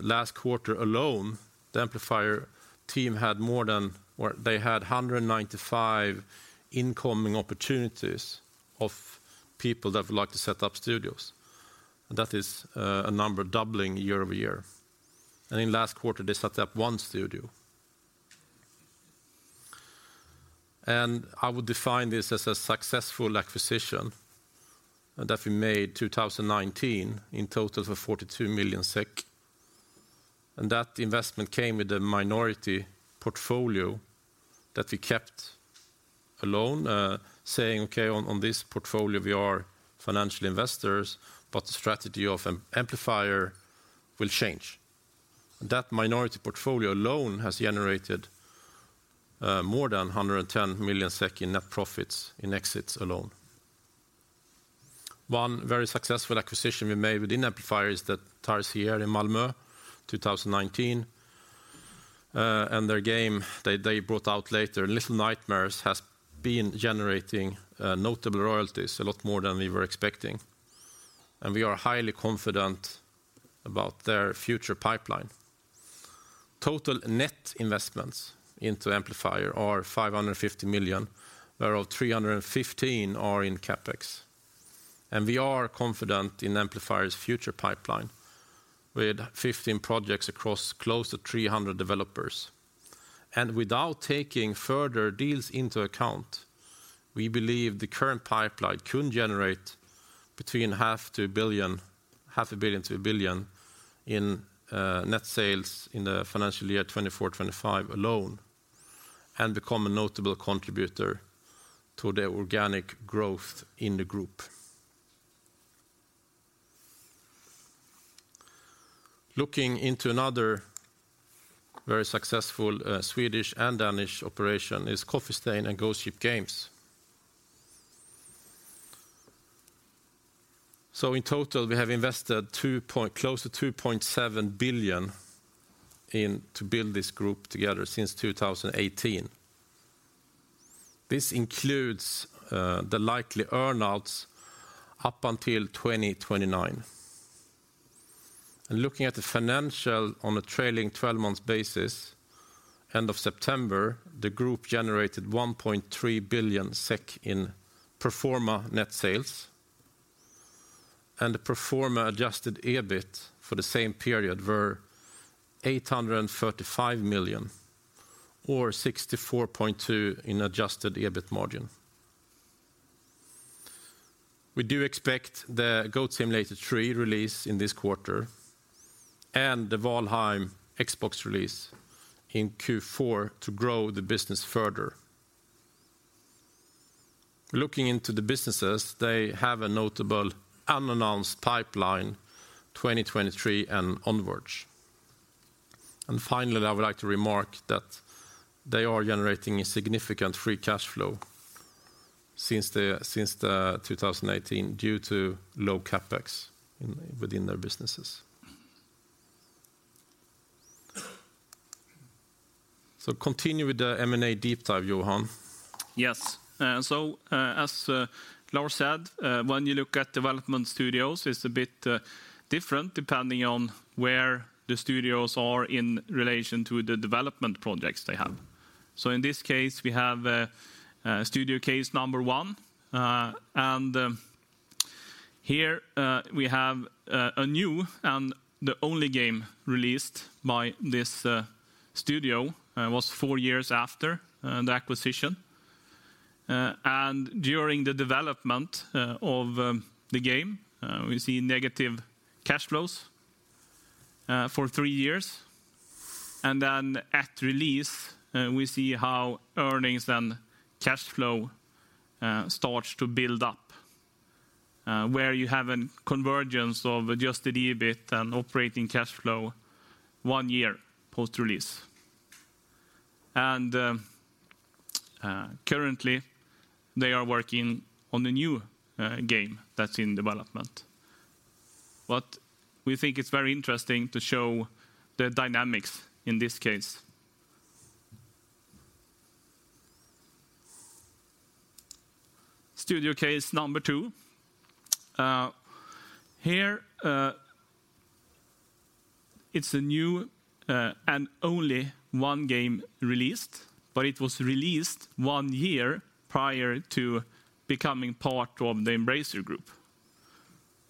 last quarter alone, the Amplifier team had 195 incoming opportunities of people that would like to set up studios. That is a number doubling year-over-year. In last quarter, they set up one studio. I would define this as a successful acquisition that we made 2019 in total for 42 million SEK. That investment came with a minority portfolio that we kept alone, saying, "Okay, on this portfolio, we are financial investors, but the strategy of Amplifier will change." That minority portfolio alone has generated more than 110 million SEK in net profits in exits alone. One very successful acquisition we made within Amplifier is the Tarsier in Malmö, 2019. Their game they brought out later, Little Nightmares, has been generating notable royalties, a lot more than we were expecting. We are highly confident about their future pipeline. Total net investments into Amplifier are 550 million, whereof 315 are in CapEx. We are confident in Amplifier's future pipeline with 15 projects across close to 300 developers. Without taking further deals into account, we believe the current pipeline could generate between SEK half a billion-SEK 1 billion in net sales in the financial year 2024-2025 alone and become a notable contributor to the organic growth in the group. Looking into another very successful Swedish and Danish operation is Coffee Stain and Ghost Ship Games. In total, we have invested close to 2.7 billion in to build this group together since 2018. This includes the likely earn-outs up until 2029. Looking at the financial on a trailing 12 months basis, end of September, the group generated 1.3 billion SEK in pro forma net sales. The pro forma Adjusted EBIT for the same period were 835 million or 64.2% in Adjusted EBIT margin. We do expect the Goat Simulator 3 release in this quarter and the Valheim Xbox release in Q4 to grow the business further. Looking into the businesses, they have a notable unannounced pipeline 2023 and onwards. Finally, I would like to remark that they are generating a significant free cash flow since the 2018 due to low CapEx within their businesses. Continue with the M&A deep dive, Johan. Yes. As Lars said, when you look at development studios, it's a bit different depending on where the studios are in relation to the development projects they have. In this case, we have studio case number one. Here, we have a new and the only game released by this studio was four years after the acquisition. During the development of the game, we see negative cash flows for three years. At release, we see how earnings and cash flow starts to build up, where you have an convergence of Adjusted EBIT and operating cash flow one year post-release. Currently they are working on a new game that's in development. We think it's very interesting to show the dynamics in this case. Studio Case Number Two. Here, it's a new and only one game released, but it was released one year prior to becoming part of the Embracer Group.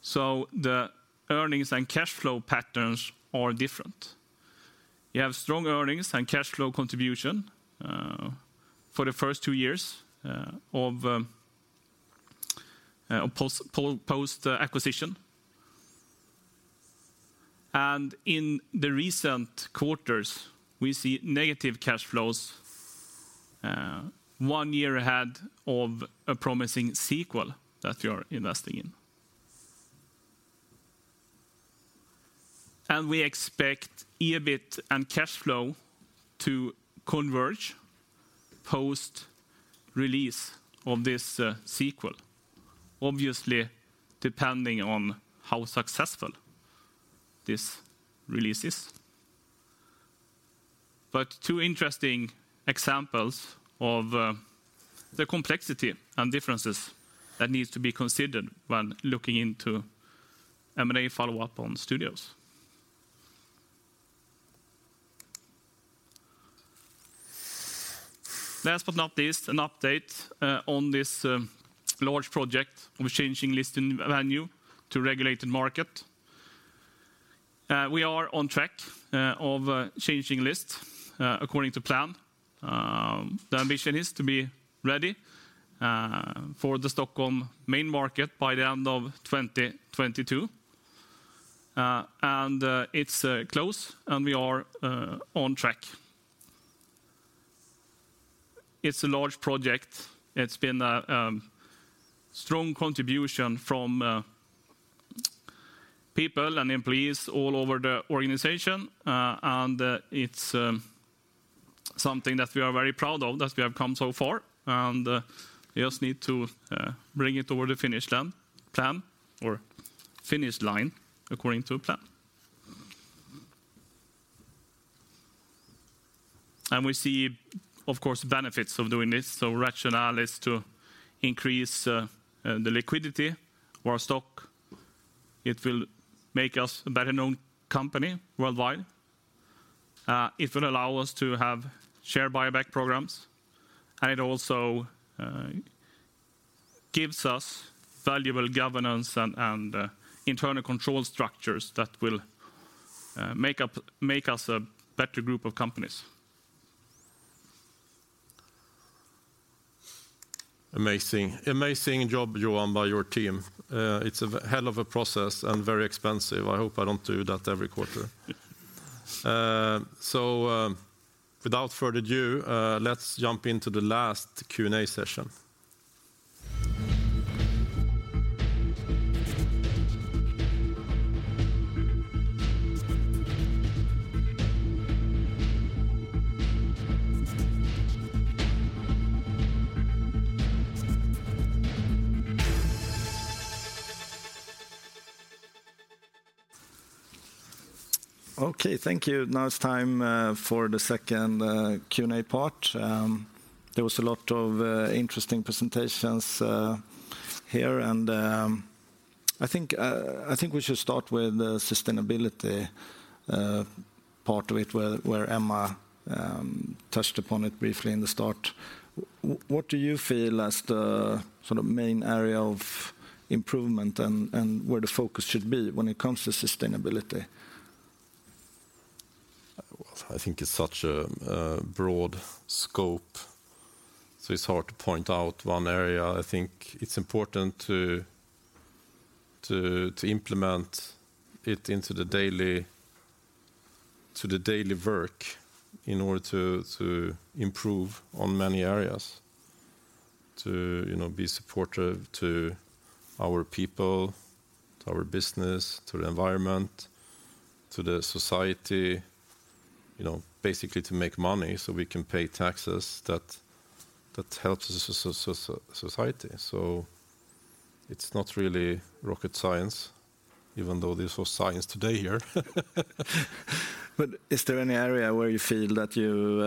The earnings and cash flow patterns are different. You have strong earnings and cash flow contribution for the first two years of post-acquisition. In the recent quarters, we see negative cash flows one year ahead of a promising sequel that we are investing in. We expect EBIT and cash flow to converge post-release of this sequel, obviously depending on how successful this release is. Two interesting examples of the complexity and differences that needs to be considered when looking into M&A follow-up on studios. Last but not least, an update on this large project of changing listing venue to regulated market. We are on track of changing list according to plan. The ambition is to be ready for the Stockholm Main Market by the end of 2022. It's close, and we are on track. It's a large project. It's been a strong contribution from people and employees all over the organization, and it's something that we are very proud of that we have come so far, and we just need to bring it over the finish line according to plan. We see, of course, benefits of doing this. Rationale is to increase the liquidity of our stock. It will make us a better-known company worldwide. It will allow us to have share buyback programs, and it also gives us valuable governance and internal control structures that will make us a better group of companies. Amazing job, Johan, by your team. It's a hell of a process and very expensive. I hope I don't do that every quarter. Without further ado, let's jump into the last Q&A session. Okay, thank you. Now it's time for the second Q&A part. There was a lot of interesting presentations here, and I think we should start with the sustainability part of it where Emma touched upon it briefly in the start. What do you feel as the sort of main area of improvement and where the focus should be when it comes to sustainability? Well, I think it's such a broad scope, so it's hard to point out one area. I think it's important to implement it into the daily work in order to improve on many areas, to, you know, be supportive to our people, to our business, to the environment, to the society. You know, basically to make money so we can pay taxes that helps the society. It's not really rocket science, even though this was science today here. Is there any area where you feel that you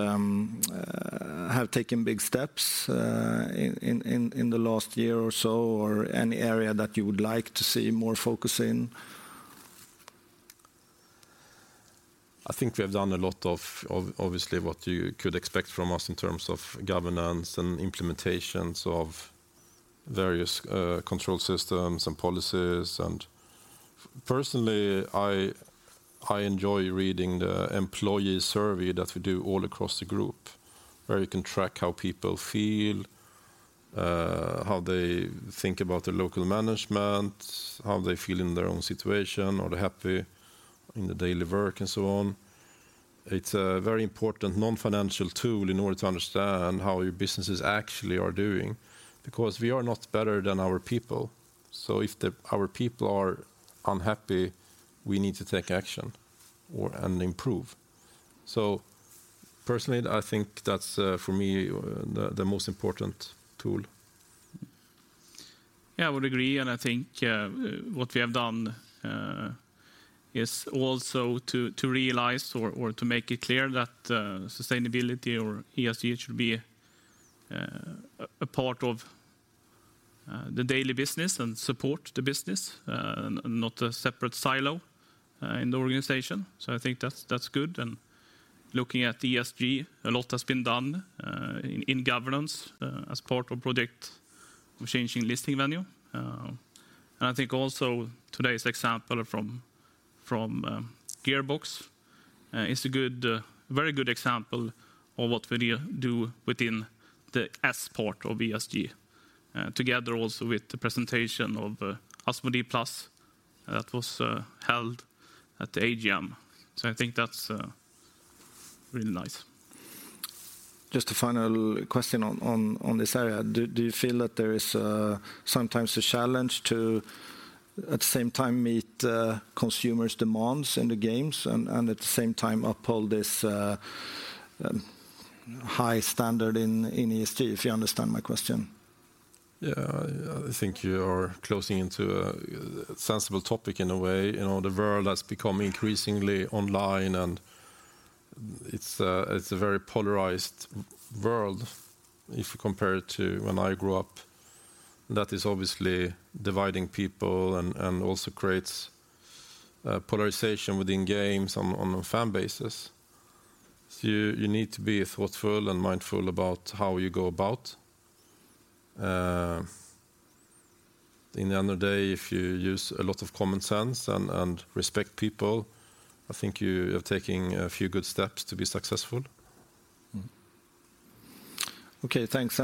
have taken big steps in the last year or so, or any area that you would like to see more focus in? I think we have done a lot of obviously what you could expect from us in terms of governance and implementations of various control systems and policies. Personally, I enjoy reading the employee survey that we do all across the Group, where you can track how people feel, how they think about the local management, how they feel in their own situation. Are they happy in the daily work and so on? It's a very important non-financial tool in order to understand how your businesses actually are doing, because we are not better than our people. If our people are unhappy, we need to take action and improve. Personally, I think that's for me the most important tool. Yeah, I would agree, and I think what we have done is also to realize or to make it clear that sustainability or ESG should be a part of the daily business and support the business and not a separate silo in the organization. I think that's good. Looking at ESG, a lot has been done in governance as part of project of changing listing venue. I think also today's example from Gearbox is a good, very good example of what we do within the S part of ESG. Together also with the presentation of Access+, that was held at the AGM. I think that's really nice. Just a final question on this area. Do you feel that there is sometimes a challenge to at the same time meet consumers' demands in the games and at the same time uphold this high standard in ESG, if you understand my question? Yeah. I think you are closing into a sensible topic in a way. You know, the world has become increasingly online, and it's a very polarized world if you compare it to when I grew up. That is obviously dividing people and also creates polarization within games on the fan bases. You need to be thoughtful and mindful about how you go about. In the end of the day, if you use a lot of common sense and respect people, I think you are taking a few good steps to be successful. Mm-hmm. Okay, thanks.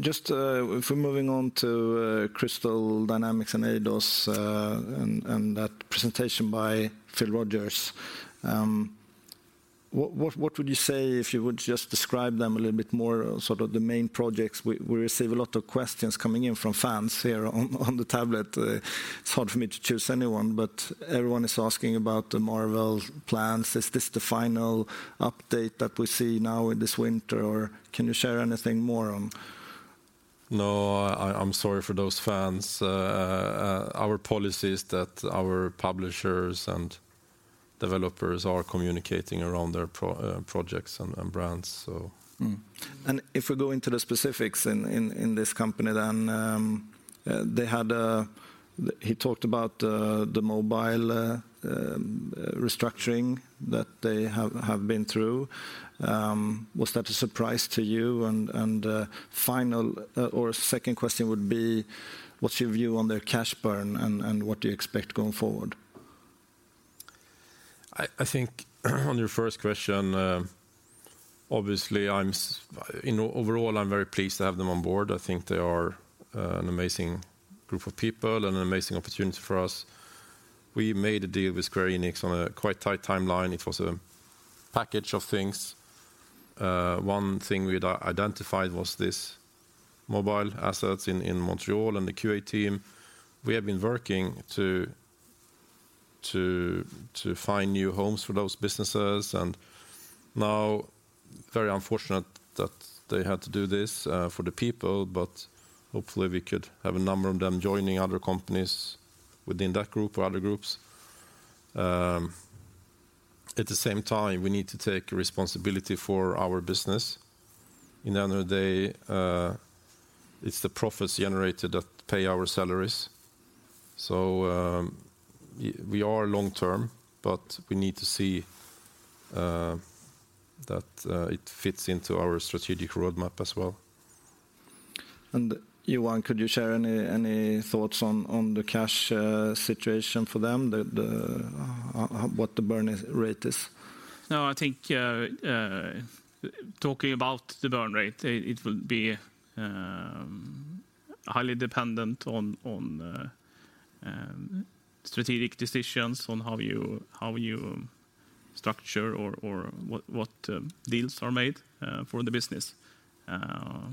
Just if we're moving on to Crystal Dynamics and Eidos-Montréal and that presentation by Phil Rogers, what would you say if you would just describe them a little bit more, sort of the main projects? We receive a lot of questions coming in from fans here on the tablet. It's hard for me to choose any one, but everyone is asking about the Marvel plans. Is this the final update that we see now in this winter, or can you share anything more on? No, I'm sorry for those fans. Our policy is that our publishers and developers are communicating around their projects and brands. Mm-hmm. If we go into the specifics in this company, then he talked about the mobile restructuring that they have been through. Was that a surprise to you? Final or second question would be, what's your view on their cash burn, and what do you expect going forward? I think on your first question, obviously, you know, overall, I'm very pleased to have them on board. I think they are an amazing group of people and an amazing opportunity for us. We made a deal with Square Enix on a quite tight Timeline. It was a package of things. One thing we'd identified was this mobile assets in Montreal and the QA team. We have been working to find new homes for those businesses. Now very unfortunate that they had to do this for the people. Hopefully we could have a number of them joining other companies within that group or other groups. At the same time, we need to take responsibility for our business. In the end of the day, it's the profits generated that pay our salaries. We are long-term, but we need to see that it fits into our strategic roadmap as well. Johan, could you share any thoughts on the cash situation for them, what the burn rate is? No, I think talking about the burn rate, it would be highly dependent on strategic decisions on how you structure or what deals are made for the business.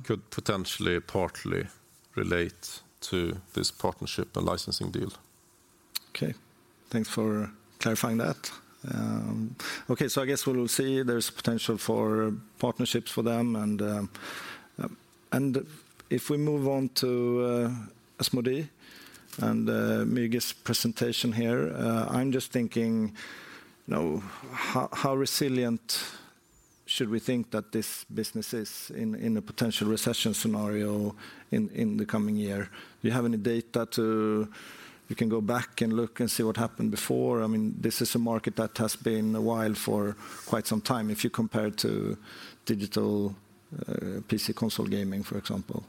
Could potentially partly relate to this partnership and licensing deal. Okay. Thanks for clarifying that. Okay. I guess we'll see there's potential for partnerships for them. If we move on to Asmodee and Müge's presentation here, I'm just thinking, you know, how resilient should we think that this business is in a potential recession scenario in the coming year? Do you have any data you can go back and look and see what happened before? I mean, this is a market that has been wild for quite some time, if you compare to digital, PC & Console gaming, for example.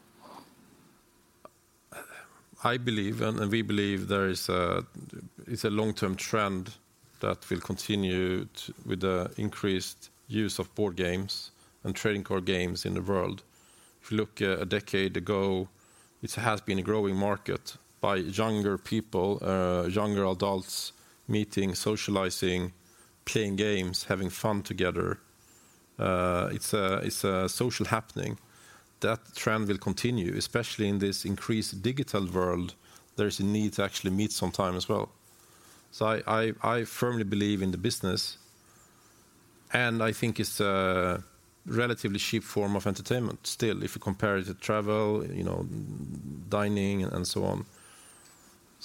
I believe and we believe it's a long-term trend that will continue with the increased use of board games and trading card games in the world. If you look a decade ago, it has been a growing market by younger people, younger adults meeting, socializing, playing games, having fun together. It's a social happening. That trend will continue, especially in this increased digital world. There's a need to actually meet sometime as well. I firmly believe in the business, and I think it's a relatively cheap form of entertainment still, if you compare it to travel, you know, dining and so on.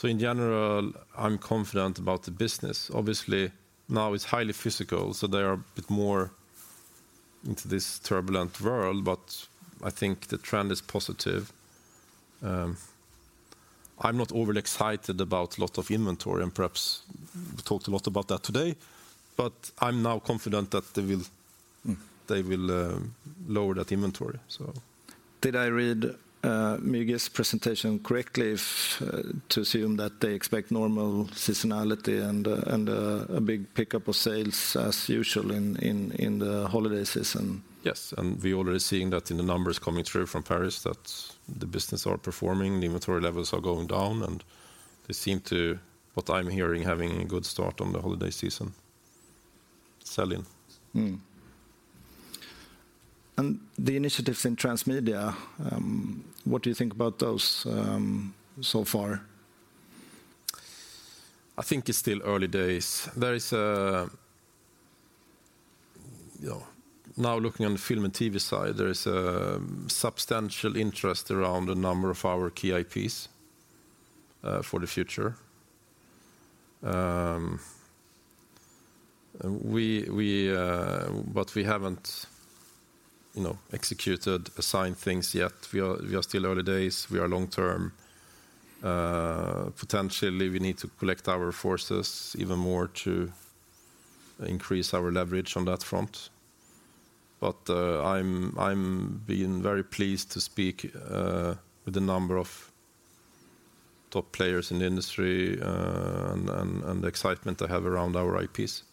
In general, I'm confident about the business. Obviously, now it's highly physical, so they are a bit more into this turbulent world, but I think the trend is positive. I'm not overly excited about lot of inventory, and perhaps we talked a lot about that today. Mm They will lower that inventory. Did I read Müge's presentation correctly if to assume that they expect normal seasonality and a big pickup of sales as usual in the holiday season? Yes, we're already seeing that in the numbers coming through from Paris that the business are performing, the inventory levels are going down, and they seem to, what I'm hearing, having a good start on the holiday season sell-in. The Initiatives in transmedia, what do you think about those so far? I think it's still early days. You know, now looking on the film and T.V. side, there is substantial interest around a number of our key I.P.s for the future. We haven't, you know, executed, signed things yet. We are still early days. We are long-term. Potentially we need to collect our forces even more to increase our leverage on that front. I'm being very pleased to speak with the number of top players in the industry and the excitement they have around our I.P.s.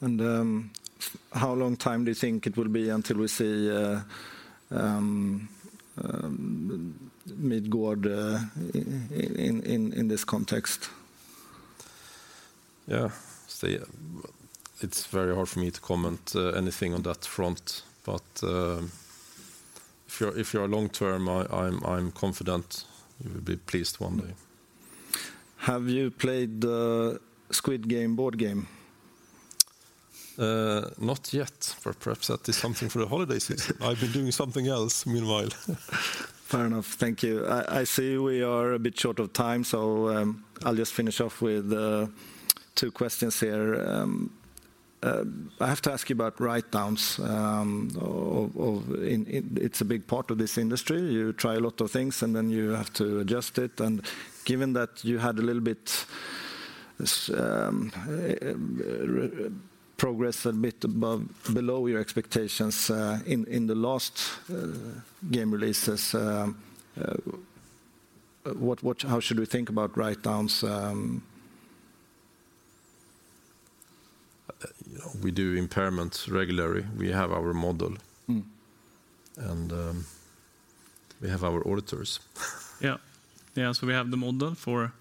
How long time do you think it will be until we see Middle-earth in this context? Yeah. See, it's very hard for me to comment anything on that front. If you're long-term, I'm confident you will be pleased one day. Have you played the Squid Game board game? Not yet, but perhaps that is something for the holiday season. I've been doing something else meanwhile. Fair enough. Thank you. I see we are a bit short of time, so I'll just finish off with two questions here. I have to ask you about write-downs. It's a big part of this industry. You try a lot of things, and then you have to adjust it. Given that you had a little bit progress a bit below your expectations in the last game releases, how should we think about write-downs? You know, we do impairments regularly. We have our model. Mm. We have our auditors. Yeah. We have the model for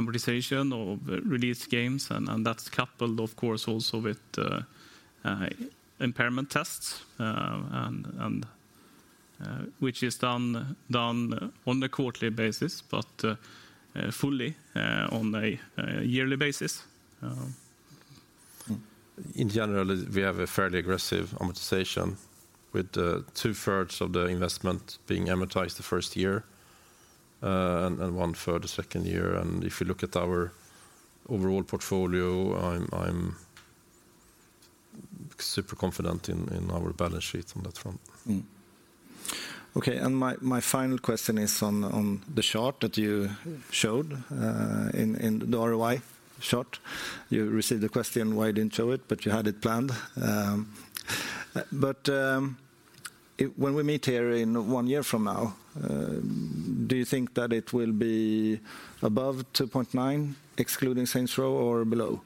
amortization of released games, and that's coupled of course also with impairment tests, which is done on a quarterly basis but fully on a yearly basis. In general, we have a fairly aggressive amortization with 2/3 of the investment being amortized the first year and 1/3 the second year. If you look at our overall portfolio, I'm super confident in our balance sheet on that front. Okay, my final question is on the chart that you showed in the ROI chart. You received a question why you didn't show it, but you had it planned. When we meet here in one year from now, do you think that it will be above 2.9 excluding Saints Row or below?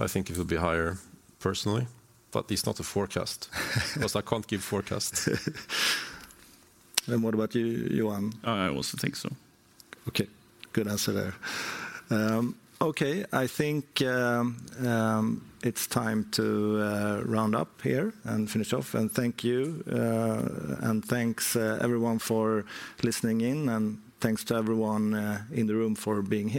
I think it will be higher personally, but it's not a forecast because I can't give forecast. What about you, Johan? I also think so. Okay. Good answer there. Okay. I think it's time to round up here and finish off. Thank you and thanks everyone for listening in, and thanks to everyone in the room for being here.